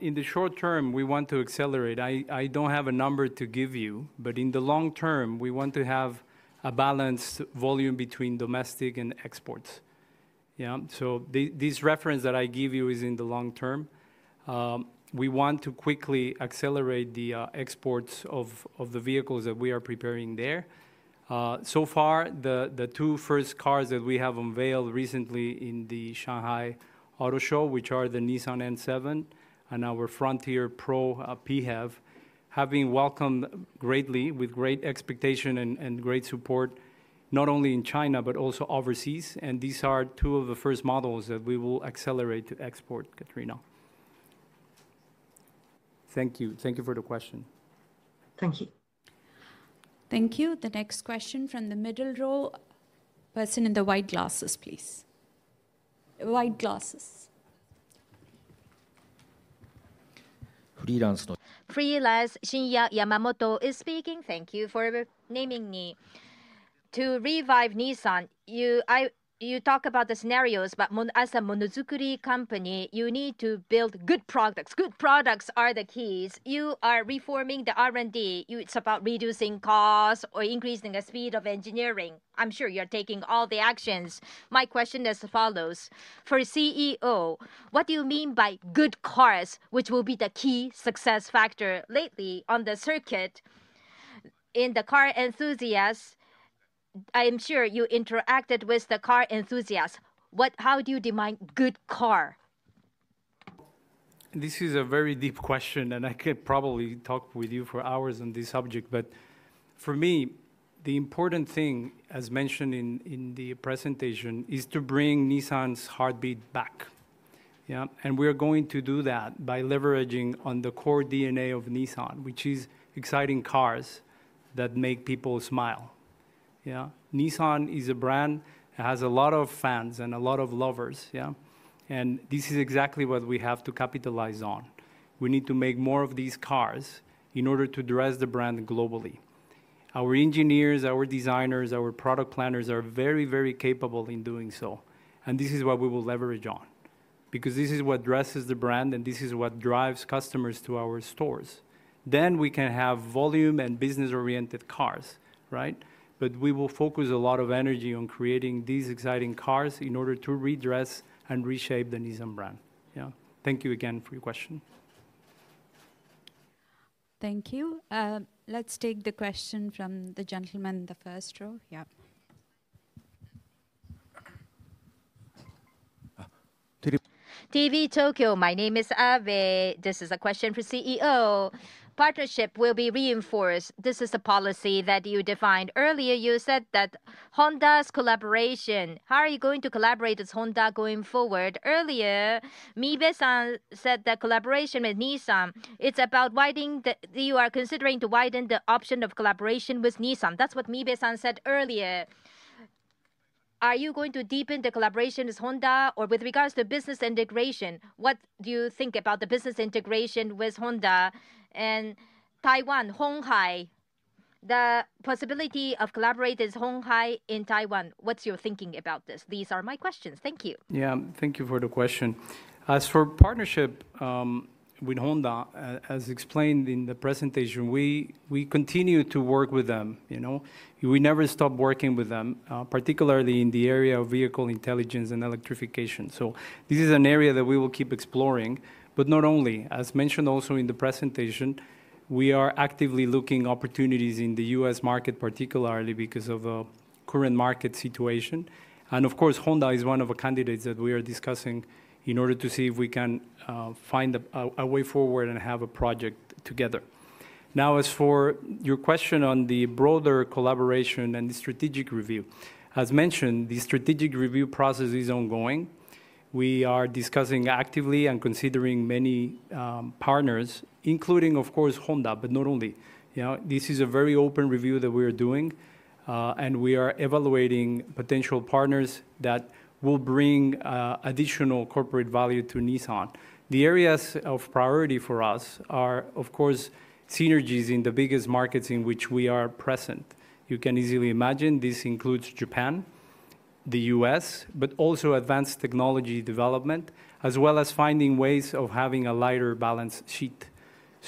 In the short term, we want to accelerate. I do not have a number to give you, but in the long term, we want to have a balanced volume between domestic and exports. Yeah, this reference that I give you is in the long term. We want to quickly accelerate the exports of the vehicles that we are preparing there. So far, the two first cars that we have unveiled recently in the Shanghai Auto Show, which are the Nissan N7 and our Frontier Pro PHEV, have been welcomed greatly with great expectation and great support, not only in China but also overseas. These are two of the first models that we will accelerate to export, Katrina. Thank you. Thank you for the question Thank you. The next question from the middle row. Person in the white glasses, please. White glasses. Freelance. Free Lance Shinya Yamamoto is speaking. Thank you for naming me. To revive Nissan, you talk about the scenarios, but as a monozokuri company, you need to build good products. Good products are the keys. You are reforming the R&D. It's about reducing costs or increasing the speed of engineering. I'm sure you're taking all the actions. My question is as follows. For CEO, what do you mean by good cars, which will be the key success factor lately on the circuit in the car enthusiasts? I'm sure you interacted with the car enthusiasts. How do you define good car? This is a very deep question, and I could probably talk with you for hours on this subject, but for me, the important thing, as mentioned in the presentation, is to bring Nissan's heartbeat back. Yeah, and we are going to do that by leveraging on the core DNA of Nissan, which is exciting cars that make people smile. Yeah, Nissan is a brand that has a lot of fans and a lot of lovers. Yeah, and this is exactly what we have to capitalize on. We need to make more of these cars in order to dress the brand globally. Our engineers, our designers, our product planners are very, very capable in doing so, and this is what we will leverage on because this is what dresses the brand, and this is what drives customers to our stores. We can have volume and business-oriented cars, right? We will focus a lot of energy on creating these exciting cars in order to redress and reshape the Nissan brand. Yeah, thank you again for your question. Thank you. Let's take the question from the gentleman in the first row. Yeah. TV Tokyo, my name is Abe. This is a question for CEO. Partnership will be reinforced. This is a policy that you defined earlier. You said that Honda's collaboration. How are you going to collaborate with Honda going forward? Earlier, Mibe San said that collaboration with Nissan, it's about widening that you are considering to widen the option of collaboration with Nissan. That's what Mibe San said earlier. Are you going to deepen the collaboration with Honda or with regards to business integration? What do you think about the business integration with Honda and Taiwan, Hong Hai? The possibility of collaborating with Hong Hai in Taiwan, what's your thinking about this? These are my questions. Thank you. Yeah, thank you for the question. As for partnership with Honda, as explained in the presentation, we continue to work with them. You know, we never stop working with them, particularly in the area of vehicle intelligence and electrification. This is an area that we will keep exploring, but not only. As mentioned also in the presentation, we are actively looking for opportunities in the U.S. market, particularly because of the current market situation. Of course, Honda is one of the candidates that we are discussing in order to see if we can find a way forward and have a project together. Now, as for your question on the broader collaboration and the strategic review, as mentioned, the strategic review process is ongoing. We are discussing actively and considering many partners, including, of course, Honda, but not only. Yeah, this is a very open review that we are doing, and we are evaluating potential partners that will bring additional corporate value to Nissan. The areas of priority for us are, of course, synergies in the biggest markets in which we are present. You can easily imagine this includes Japan, the U.S., but also advanced technology development, as well as finding ways of having a lighter balance sheet.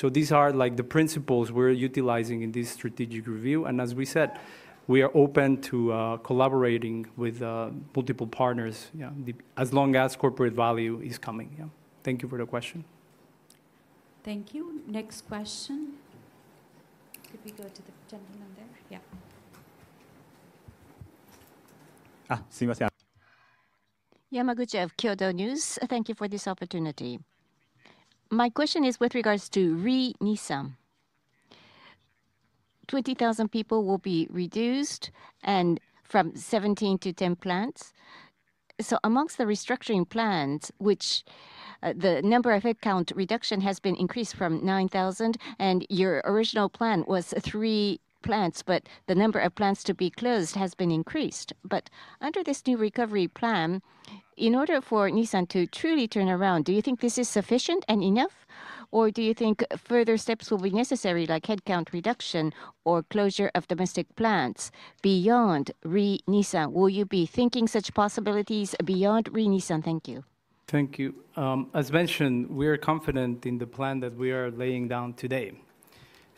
These are like the principles we're utilizing in this strategic review. As we said, we are open to collaborating with multiple partners as long as corporate value is coming. Yeah, thank you for the question. Thank you. Next question. Could we go to the gentleman there? Yeah. Yamaguchi of Kyodo News. Thank you for this opportunity. My question is with regards to Re-Nissan. 20,000 people will be reduced from 17 to 10 plants. Amongst the restructuring plans, the number of headcount reduction has been increased from 9,000, and your original plan was three plants, but the number of plants to be closed has been increased. Under this new recovery plan, in order for Nissan to truly turn around, do you think this is sufficient and enough, or do you think further steps will be necessary, like headcount reduction or closure of domestic plants beyond re-Nissan? Will you be thinking such possibilities beyond re-Nissan? Thank you. Thank you. As mentioned, we are confident in the plan that we are laying down today.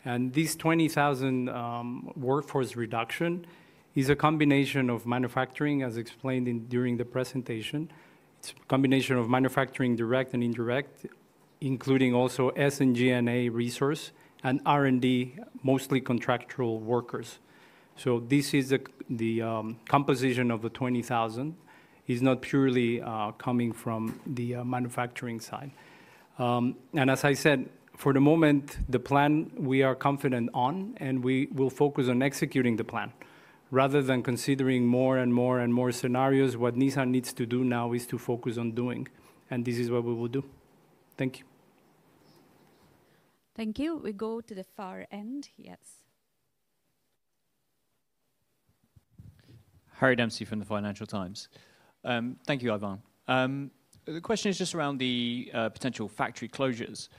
This 20,000 workforce reduction is a combination of manufacturing, as explained during the presentation. It is a combination of manufacturing direct and indirect, including also SNGNA resource and R&D, mostly contractual workers. This is the composition of the 20,000. It is not purely coming from the manufacturing side. As I said, for the moment, the plan we are confident on, and we will focus on executing the plan. Rather than considering more and more and more scenarios, what Nissan needs to do now is to focus on doing. This is what we will do. Thank you. Thank you. We go to the far end. Yes. Harry Dempsey from the Financial Times. Thank you, Ivan. The question is just around the potential factory closures.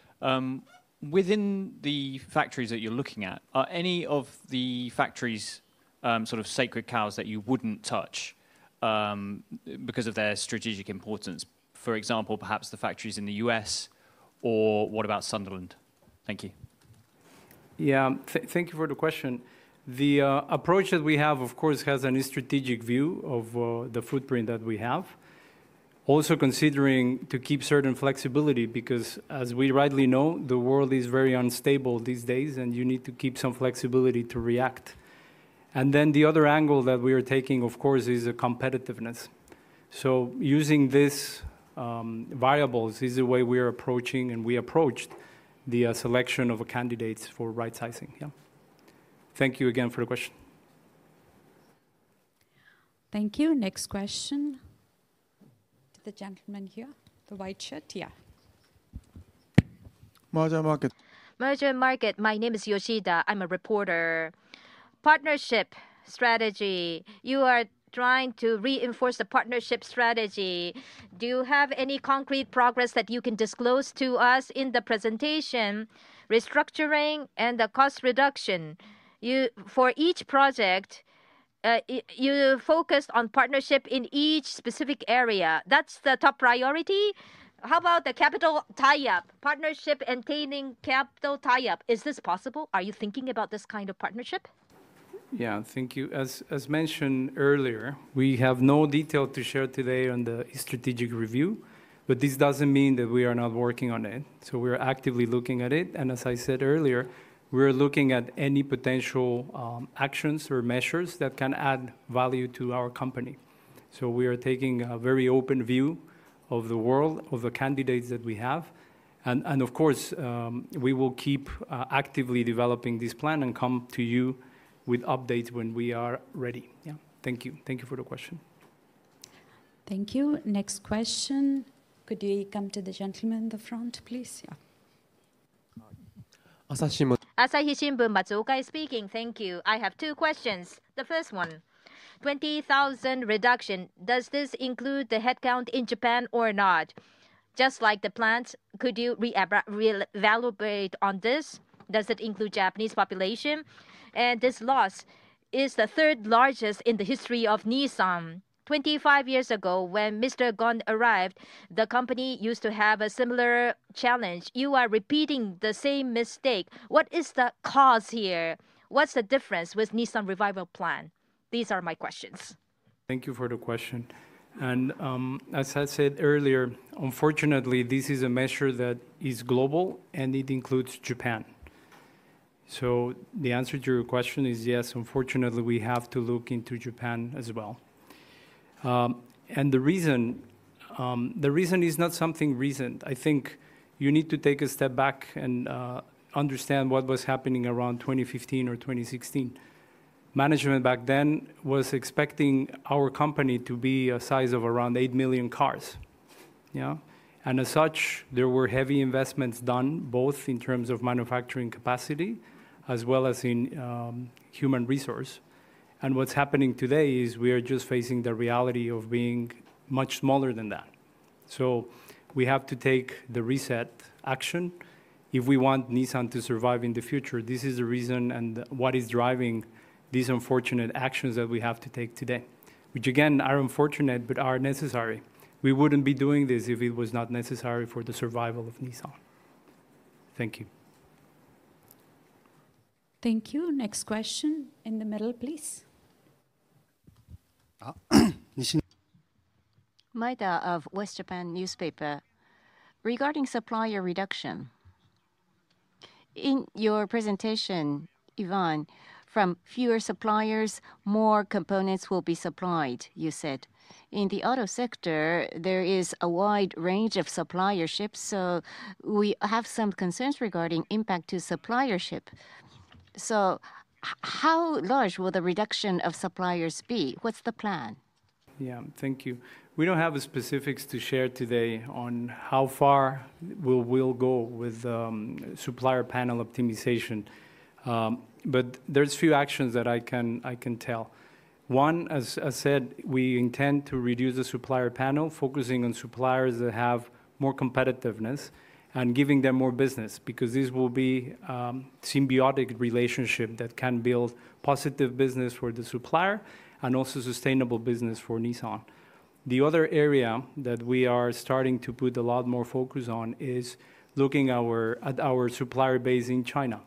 Within the factories that you are looking at, are any of the factories sort of sacred cows that you would not touch because of their strategic importance? For example, perhaps the factories in the U.S., or what about Sunderland? Thank you. Yeah, thank you for the question. The approach that we have, of course, has a strategic view of the footprint that we have. Also considering to keep certain flexibility because, as we rightly know, the world is very unstable these days, and you need to keep some flexibility to react. The other angle that we are taking, of course, is competitiveness. Using these variables is the way we are approaching and we approached the selection of candidates for right-sizing. Yeah. Thank you again for the question. Thank you. Next question. To the gentleman here, the white shirt. Yeah. Marjo Market. Marjo Market, my name is Yoshida. I'm a reporter. Partnership strategy. You are trying to reinforce the partnership strategy. Do you have any concrete progress that you can disclose to us in the presentation? Restructuring and the cost reduction. For each project, you focused on partnership in each specific area. That's the top priority. How about the capital tie-up? Partnership and tightening capital tie-up. Is this possible? Are you thinking about this kind of partnership? Yeah, thank you. As mentioned earlier, we have no detail to share today on the strategic review, but this does not mean that we are not working on it. We are actively looking at it. As I said earlier, we are looking at any potential actions or measures that can add value to our company. We are taking a very open view of the world, of the candidates that we have. Of course, we will keep actively developing this plan and come to you with updates when we are ready. Yeah, thank you. Thank you for the question. Thank you. Next question. Could you come to the gentleman in the front, please? Yeah .朝日新聞松岡。Speaking. Thank you. I have two questions. The first one, 20,000 reduction. Does this include the headcount in Japan or not? Just like the plants, could you re-evaluate on this? Does it include the Japanese population? And this loss is the third largest in the history of Nissan. Twenty-five years ago, when Mr. Ghosn arrived, the company used to have a similar challenge. You are repeating the same mistake. What is the cause here? What's the difference with the Nissan revival plan? These are my questions. Thank you for the question. As I said earlier, unfortunately, this is a measure that is global, and it includes Japan. The answer to your question is yes. Unfortunately, we have to look into Japan as well. The reason is not something recent. I think you need to take a step back and understand what was happening around 2015 or 2016. Management back then was expecting our company to be a size of around 8 million cars. Yeah. As such, there were heavy investments done both in terms of manufacturing capacity as well as in human resource. What is happening today is we are just facing the reality of being much smaller than that. We have to take the reset action if we want Nissan to survive in the future. This is the reason and what is driving these unfortunate actions that we have to take today, which again, are unfortunate but are necessary. We would not be doing this if it was not necessary for the survival of Nissan. Thank you. Thank you. Next question in the middle, please. Mida of West Japan Newspaper. Regarding supplier reduction. In your presentation, Ivan, from fewer suppliers, more components will be supplied, you said. In the auto sector, there is a wide range of supplier ships, so we have some concerns regarding impact to supplier ship. How large will the reduction of suppliers be? What's the plan? \Yeah, thank you. We don't have the specifics to share today on how far we will go with supplier panel optimization, but there's a few actions that I can tell. One, as I said, we intend to reduce the supplier panel, focusing on suppliers that have more competitiveness and giving them more business because this will be a symbiotic relationship that can build positive business for the supplier and also sustainable business for Nissan. The other area that we are starting to put a lot more focus on is looking at our supplier base in China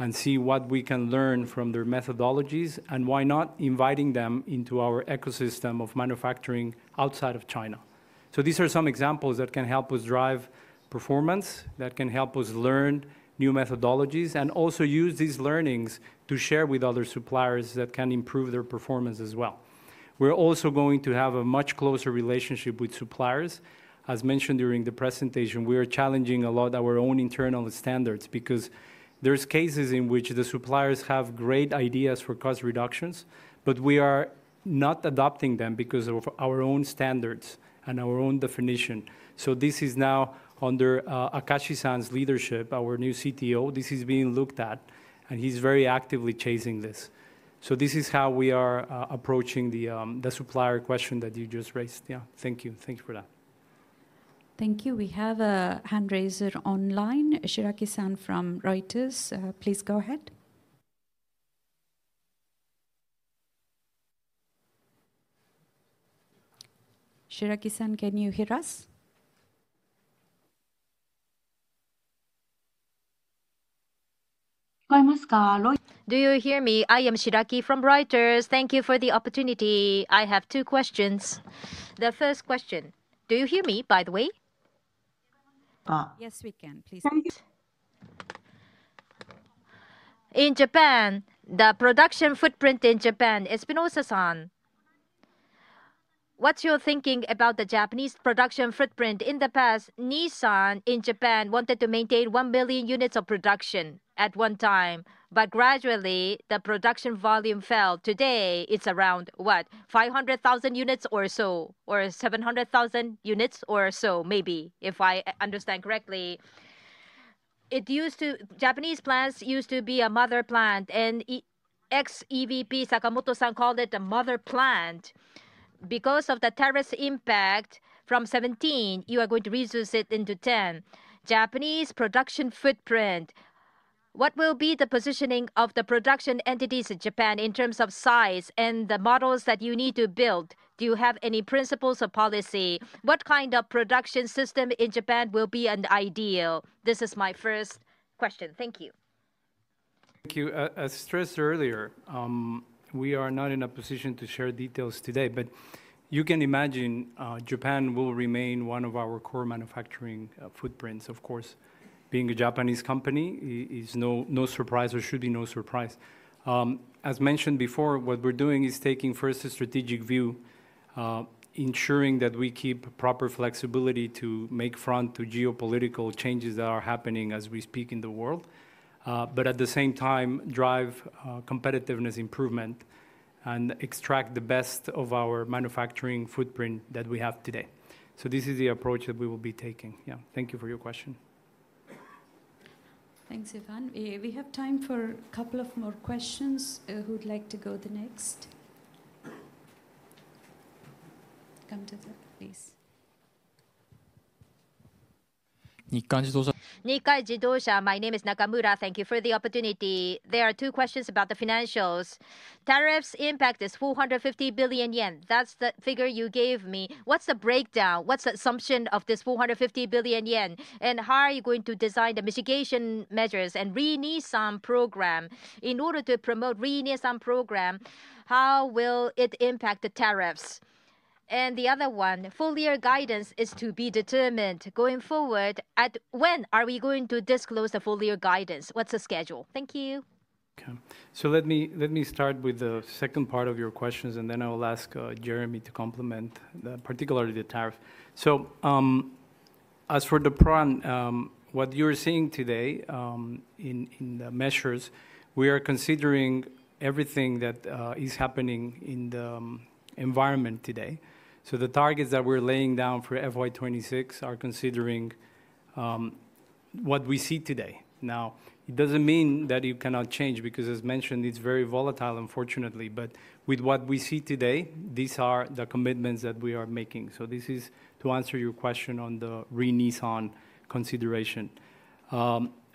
and see what we can learn from their methodologies and why not inviting them into our ecosystem of manufacturing outside of China. These are some examples that can help us drive performance, that can help us learn new methodologies, and also use these learnings to share with other suppliers that can improve their performance as well. We're also going to have a much closer relationship with suppliers. As mentioned during the presentation, we are challenging a lot of our own internal standards because there are cases in which the suppliers have great ideas for cost reductions, but we are not adopting them because of our own standards and our own definition. This is now under Akashi San's leadership, our new CTO. This is being looked at, and he's very actively chasing this. This is how we are approaching the supplier question that you just raised. Yeah, thank you. Thanks for that Thank you. We have a hand raiser online. Shiraki San from Reuters. Please go ahead. Shiraki-san, can you hear us? Do you hear me? I am Shiraki from Reuters. Thank you for the opportunity. I have two questions. The first question, do you hear me, by the way? Yes, we can. Please. In Japan, the production footprint in Japan is also on. What's your thinking about the Japanese production footprint? In the past, Nissan in Japan wanted to maintain 1 million units of production at one time, but gradually the production volume fell. Today, it's around what? 500,000 units or so, or 700,000 units or so, maybe, if I understand correctly. Japanese plants used to be a mother plant, and ex-EVP Sakamoto-san called it a mother plant. Because of the tariff impact from2017, you are going to reduce it into 2010. Japanese production footprint, what will be the positioning of the production entities in Japan in terms of size and the models that you need to build? Do you have any principles of policy? What kind of production system in Japan will be an ideal? This is my first question. Thank you. Thank you. As stressed earlier, we are not in a position to share details today, but you can imagine Japan will remain one of our core manufacturing footprints. Of course, being a Japanese company is no surprise or should be no surprise. As mentioned before, what we're doing is taking first a strategic view, ensuring that we keep proper flexibility to make front to geopolitical changes that are happening as we speak in the world, but at the same time, drive competitiveness improvement and extract the best of our manufacturing footprint that we have today. This is the approach that we will be taking. Yeah, thank you for your question. Thanks, Ivan. We have time for a couple more questions. Who'd like to go next? Come to the, please. Nikkan Jidōsha. Nikkei Jidōsha, my name is Nakamura. Thank you for the opportunity. There are two questions about the financials. Tariffs impact is 450 billion yen. That's the figure you gave me. What's the breakdown? What's the assumption of this 450 billion yen? How are you going to design the mitigation measures and Re-Nissan program? In order to promote the Re-Nissan program, how will it impact the tariffs? The other one, full year guidance is to be determined. Going forward, when are we going to disclose the full year guidance? What's the schedule? Thank you. Okay. Let me start with the second part of your questions, and then I will ask Jérémie to complement, particularly the tariff. As for the plan, what you are seeing today in the measures, we are considering everything that is happening in the environment today. The targets that we are laying down for FY2026 are considering what we see today. Now, it does not mean that you cannot change because, as mentioned, it is very volatile, unfortunately. With what we see today, these are the commitments that we are making. This is to answer your question on the Re-Nissan consideration.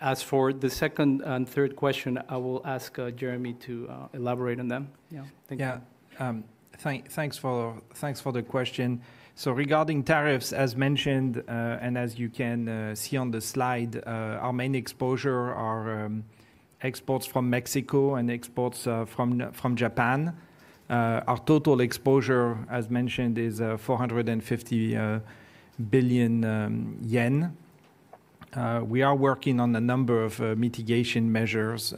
As for the second and third question, I will ask Jérémie to elaborate on them. Yeah. Thank you. Yeah. Thanks for the question. Regarding tariffs, as mentioned, and as you can see on the slide, our main exposure are exports from Mexico and exports from Japan. Our total exposure, as mentioned, is 450 billion yen. We are working on a number of mitigation measures.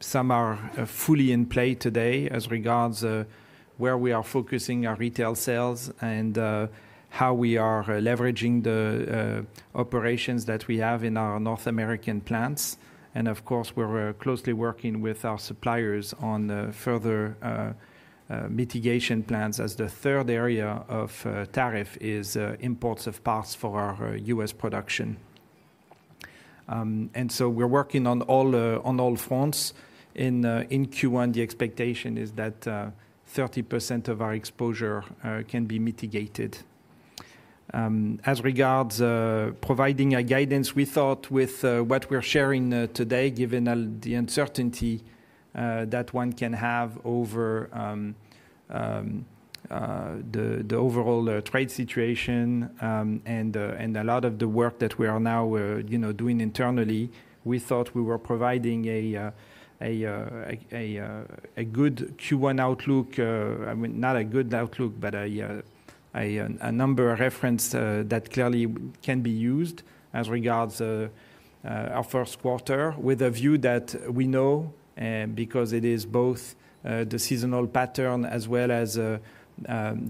Some are fully in play today as regards where we are focusing our retail sales and how we are leveraging the operations that we have in our North American plants. Of course, we're closely working with our suppliers on further mitigation plans as the third area of tariff is imports of parts for our U.S. production. We are working on all fronts. In Q1, the expectation is that 30% of our exposure can be mitigated. As regards providing guidance, we thought with what we're sharing today, given the uncertainty that one can have over the overall trade situation and a lot of the work that we are now doing internally, we thought we were providing a good Q1 outlook. I mean, not a good outlook, but a number of references that clearly can be used as regards our first quarter with a view that we know, because it is both the seasonal pattern as well as the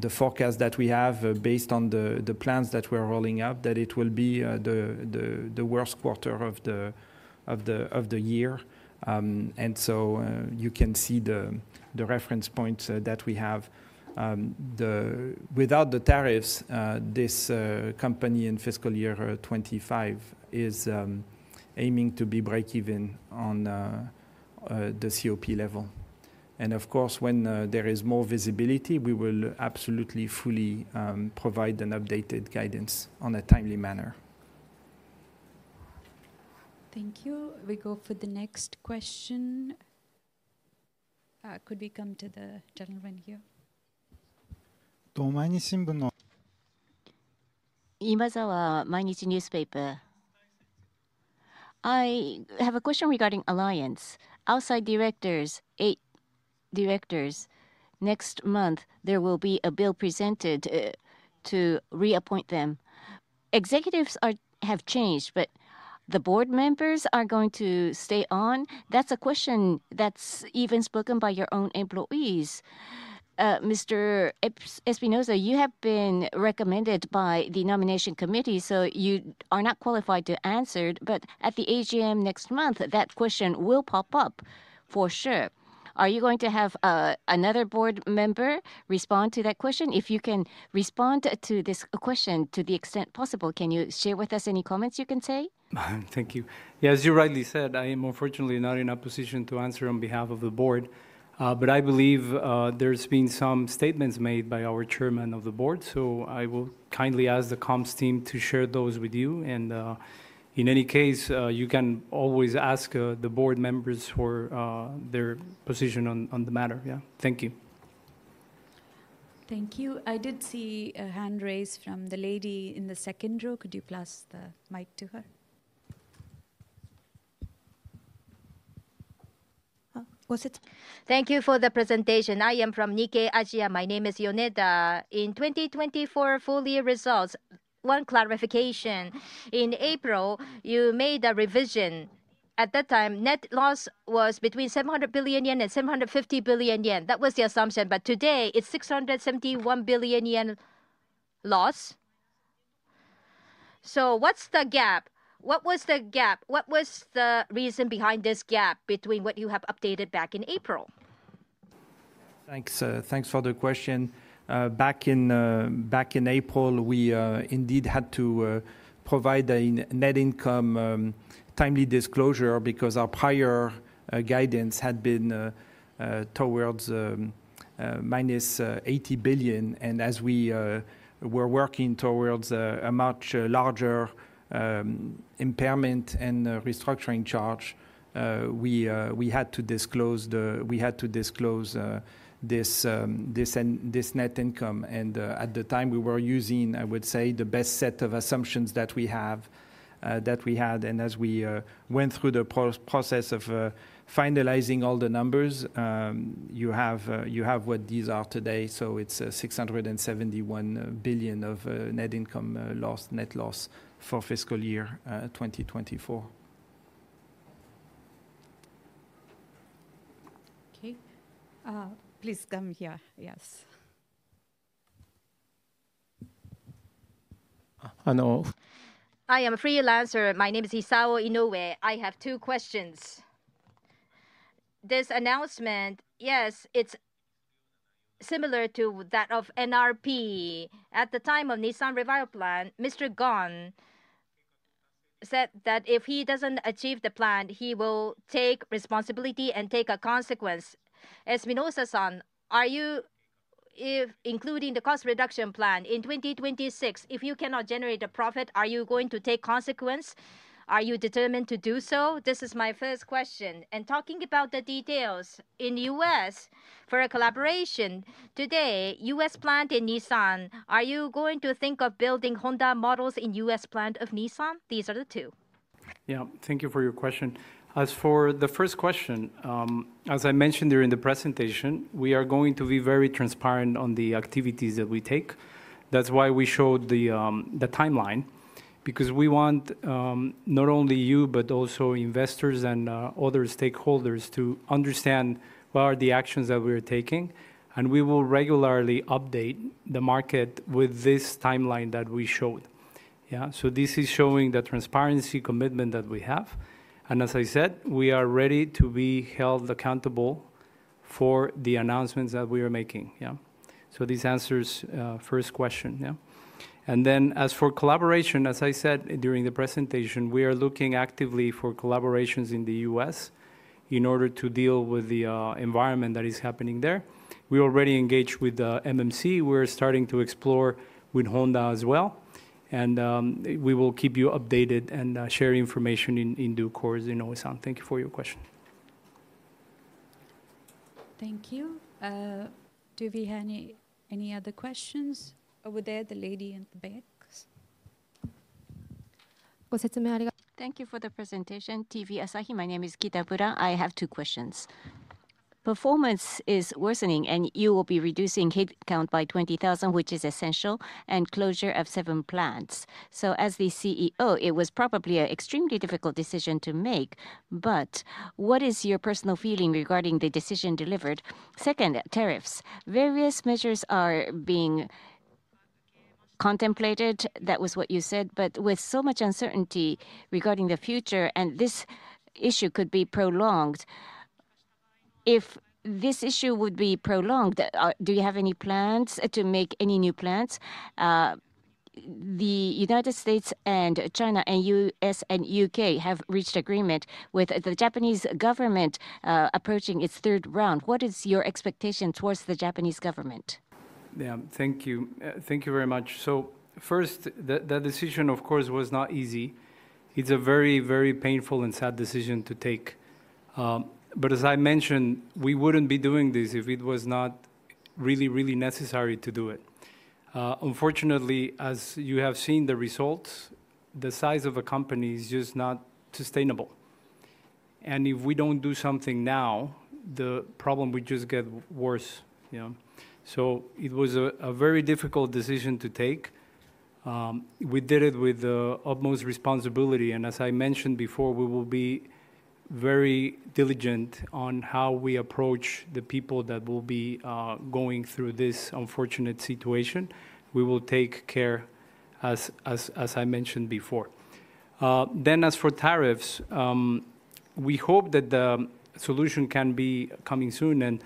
forecast that we have based on the plans that we're rolling up, that it will be the worst quarter of the year. You can see the reference points that we have. Without the tariffs, this company in fiscal year 2025 is aiming to be break-even on the COP level. Of course, when there is more visibility, we will absolutely fully provide an updated guidance on a timely manner. Thank you. We go for the next question. Could we come to the gentleman here? 今澤毎日ニュースペーパー. I have a question regarding alliance. Outside directors, eight directors. Next month, there will be a bill presented to reappoint them. Executives have changed, but the board members are going to stay on? That's a question that's even spoken by your own employees. Mr. Espinosa, you have been recommended by the nomination committee, so you are not qualified to answer. At the AGM next month, that question will pop up for sure. Are you going to have another board member respond to that question? If you can respond to this question to the extent possible, can you share with us any comments you can say? Thank you. Yeah, as you rightly said, I am unfortunately not in a position to answer on behalf of the board, but I believe there's been some statements made by our chairman of the board. I will kindly ask the comms team to share those with you. In any case, you can always ask the board members for their position on the matter. Yeah. Thank you. Thank you. I did see a hand raise from the lady in the second row. Could you pass the mic to her? Was it? Thank you for the presentation. I am from Nikkei Asia. My name is Yoneda. In 2024, full year results, one clarification. In April, you made a revision. At that time, net loss was between 700 billion yen and 750 billion yen. That was the assumption. But today, it's 671 billion yen loss. What's the gap? What was the gap? What was the reason behind this gap between what you have updated back in April? Thanks for the question. Back in April, we indeed had to provide a net income timely disclosure because our prior guidance had been towards minus 80 billion. As we were working towards a much larger impairment and restructuring charge, we had to disclose this net income. At the time, we were using, I would say, the best set of assumptions that we had. As we went through the process of finalizing all the numbers, you have what these are today. It is 671 billion of net income loss, net loss for fiscal year 2024. Okay. Please come here. Yes. I know. I am a freelancer. My name is Isawo Inoue. I have two questions. This announcement, yes, it is similar to that of NRP. At the time of Nissan Revival Plan, Mr. Ghosn said that if he does not achieve the plan, he will take responsibility and take a consequence. Espinosa, are you including the cost reduction plan in 2026? If you cannot generate a profit, are you going to take consequence? Are you determined to do so? This is my first question. Talking about the details, in the U.S., for a collaboration today, U.S. plant in Nissan, are you going to think of building Honda models in U.S. plant of Nissan? These are the two. Yeah. Thank you for your question. As for the first question, as I mentioned during the presentation, we are going to be very transparent on the activities that we take. That is why we showed the timeline, because we want not only you, but also investors and other stakeholders to understand what are the actions that we are taking. We will regularly update the market with this timeline that we showed. Yeah. This is showing the transparency commitment that we have. As I said, we are ready to be held accountable for the announcements that we are making. Yeah. These answer the first question. Yeah. As for collaboration, as I said during the presentation, we are looking actively for collaborations in the U.S. in order to deal with the environment that is happening there. We already engaged with MMC. We're starting to explore with Honda as well. We will keep you updated and share information in due course. Thank you for your question. Thank you. Do we have any other questions? Over there, the lady in the back. Thank you for the presentation. TV Asahi, my name is Kita Pura. I have two questions. Performance is worsening, and you will be reducing headcount by 20,000, which is essential, and closure of seven plants. As the CEO, it was probably an extremely difficult decision to make. What is your personal feeling regarding the decision delivered? Second, tariffs. Various measures are being contemplated. That was what you said. With so much uncertainty regarding the future, and this issue could be prolonged, if this issue would be prolonged, do you have any plans to make any new plans? The United States and China and U.S. and U.K. have reached agreement with the Japanese government approaching its third round. What is your expectation towards the Japanese government? Yeah. Thank you. Thank you very much. First, that decision, of course, was not easy. It is a very, very painful and sad decision to take. As I mentioned, we would not be doing this if it was not really, really necessary to do it. Unfortunately, as you have seen the results, the size of a company is just not sustainable. If we do not do something now, the problem will just get worse. It was a very difficult decision to take. We did it with the utmost responsibility. As I mentioned before, we will be very diligent on how we approach the people that will be going through this unfortunate situation. We will take care, as I mentioned before. As for tariffs, we hope that the solution can be coming soon.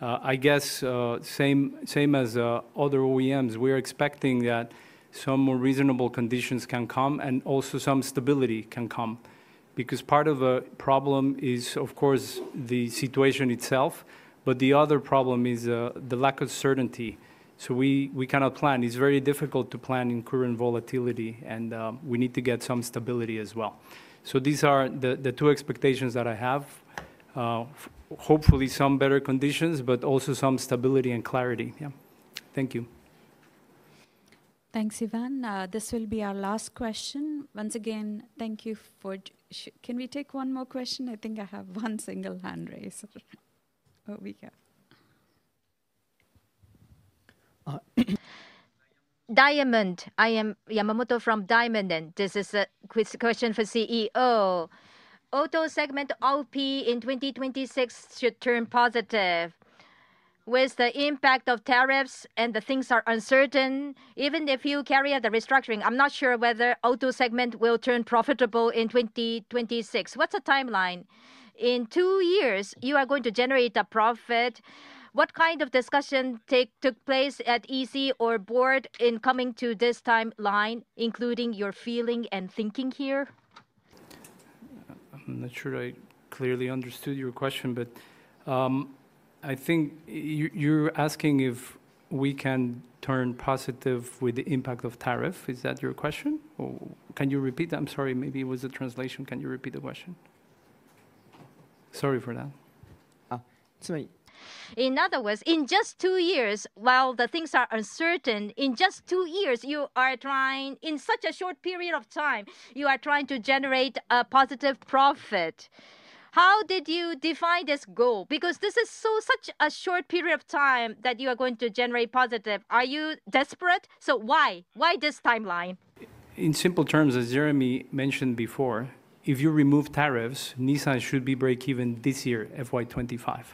I guess same as other OEMs, we are expecting that some more reasonable conditions can come and also some stability can come. Part of the problem is, of course, the situation itself, but the other problem is the lack of certainty. We cannot plan. It's very difficult to plan in current volatility, and we need to get some stability as well. These are the two expectations that I have. Hopefully, some better conditions, but also some stability and clarity. Yeah. Thank you. Thanks, Ivan. This will be our last question. Once again, thank you for... Can we take one more question? I think I have one single hand raised. Oh, here we go. Diamond. I am Yamamoto from Diamond. This is a question for CEO. Auto segment OP in 2026 should turn positive. With the impact of tariffs and the things are uncertain, even if you carry out the restructuring, I'm not sure whether auto segment will turn profitable in 2026. What's the timeline? In two years, you are going to generate a profit. What kind of discussion took place at EC or board in coming to this timeline, including your feeling and thinking here? I'm not sure I clearly understood your question, but I think you're asking if we can turn positive with the impact of tariff. Is that your question? Can you repeat that? I'm sorry. Maybe it was a translation. Can you repeat the question? Sorry for that. In other words, in just two years, while the things are uncertain, in just two years, you are trying, in such a short period of time, you are trying to generate a positive profit. How did you define this goal? Because this is such a short period of time that you are going to generate positive. Are you desperate? Why? Why this timeline? In simple terms, as Jérémie mentioned before, if you remove tariffs, Nissan should be break-even this year, FY2025.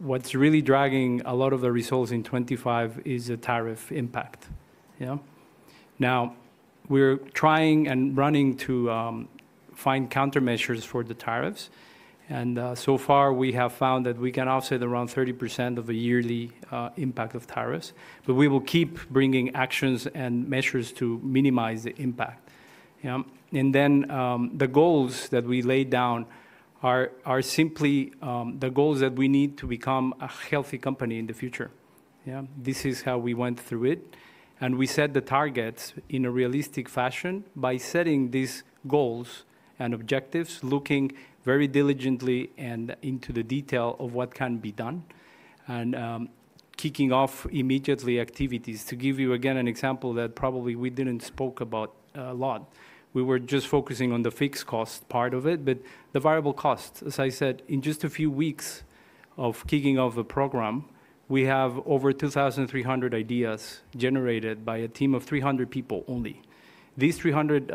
What is really dragging a lot of the results in 2025 is the tariff impact. Now, we are trying and running to find countermeasures for the tariffs. So far, we have found that we can offset around 30% of a yearly impact of tariffs. We will keep bringing actions and measures to minimize the impact. The goals that we laid down are simply the goals that we need to become a healthy company in the future. This is how we went through it. We set the targets in a realistic fashion by setting these goals and objectives, looking very diligently and into the detail of what can be done, and kicking off immediately activities. To give you again an example that probably we did not speak about a lot, we were just focusing on the fixed cost part of it. But the variable cost, as I said, in just a few weeks of kicking off the program, we have over 2,300 ideas generated by a team of 300 people only. These 300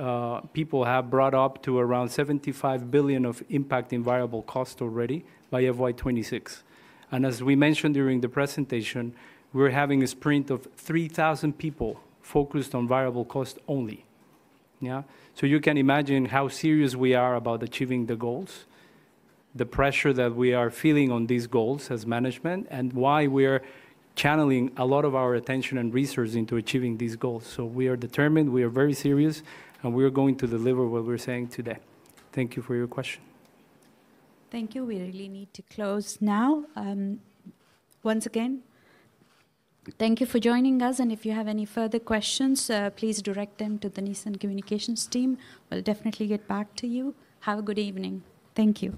people have brought up to around 75 billion of impact in variable cost already by FY2026. As we mentioned during the presentation, we're having a sprint of 3,000 people focused on variable cost only. You can imagine how serious we are about achieving the goals, the pressure that we are feeling on these goals as management, and why we are channeling a lot of our attention and resources into achieving these goals. We are determined, we are very serious, and we are going to deliver what we're saying today. Thank you for your question. Thank you. We really need to close now. Once again, thank you for joining us. If you have any further questions, please direct them to the Nissan Communications team. We will definitely get back to you. Have a good evening. Thank you.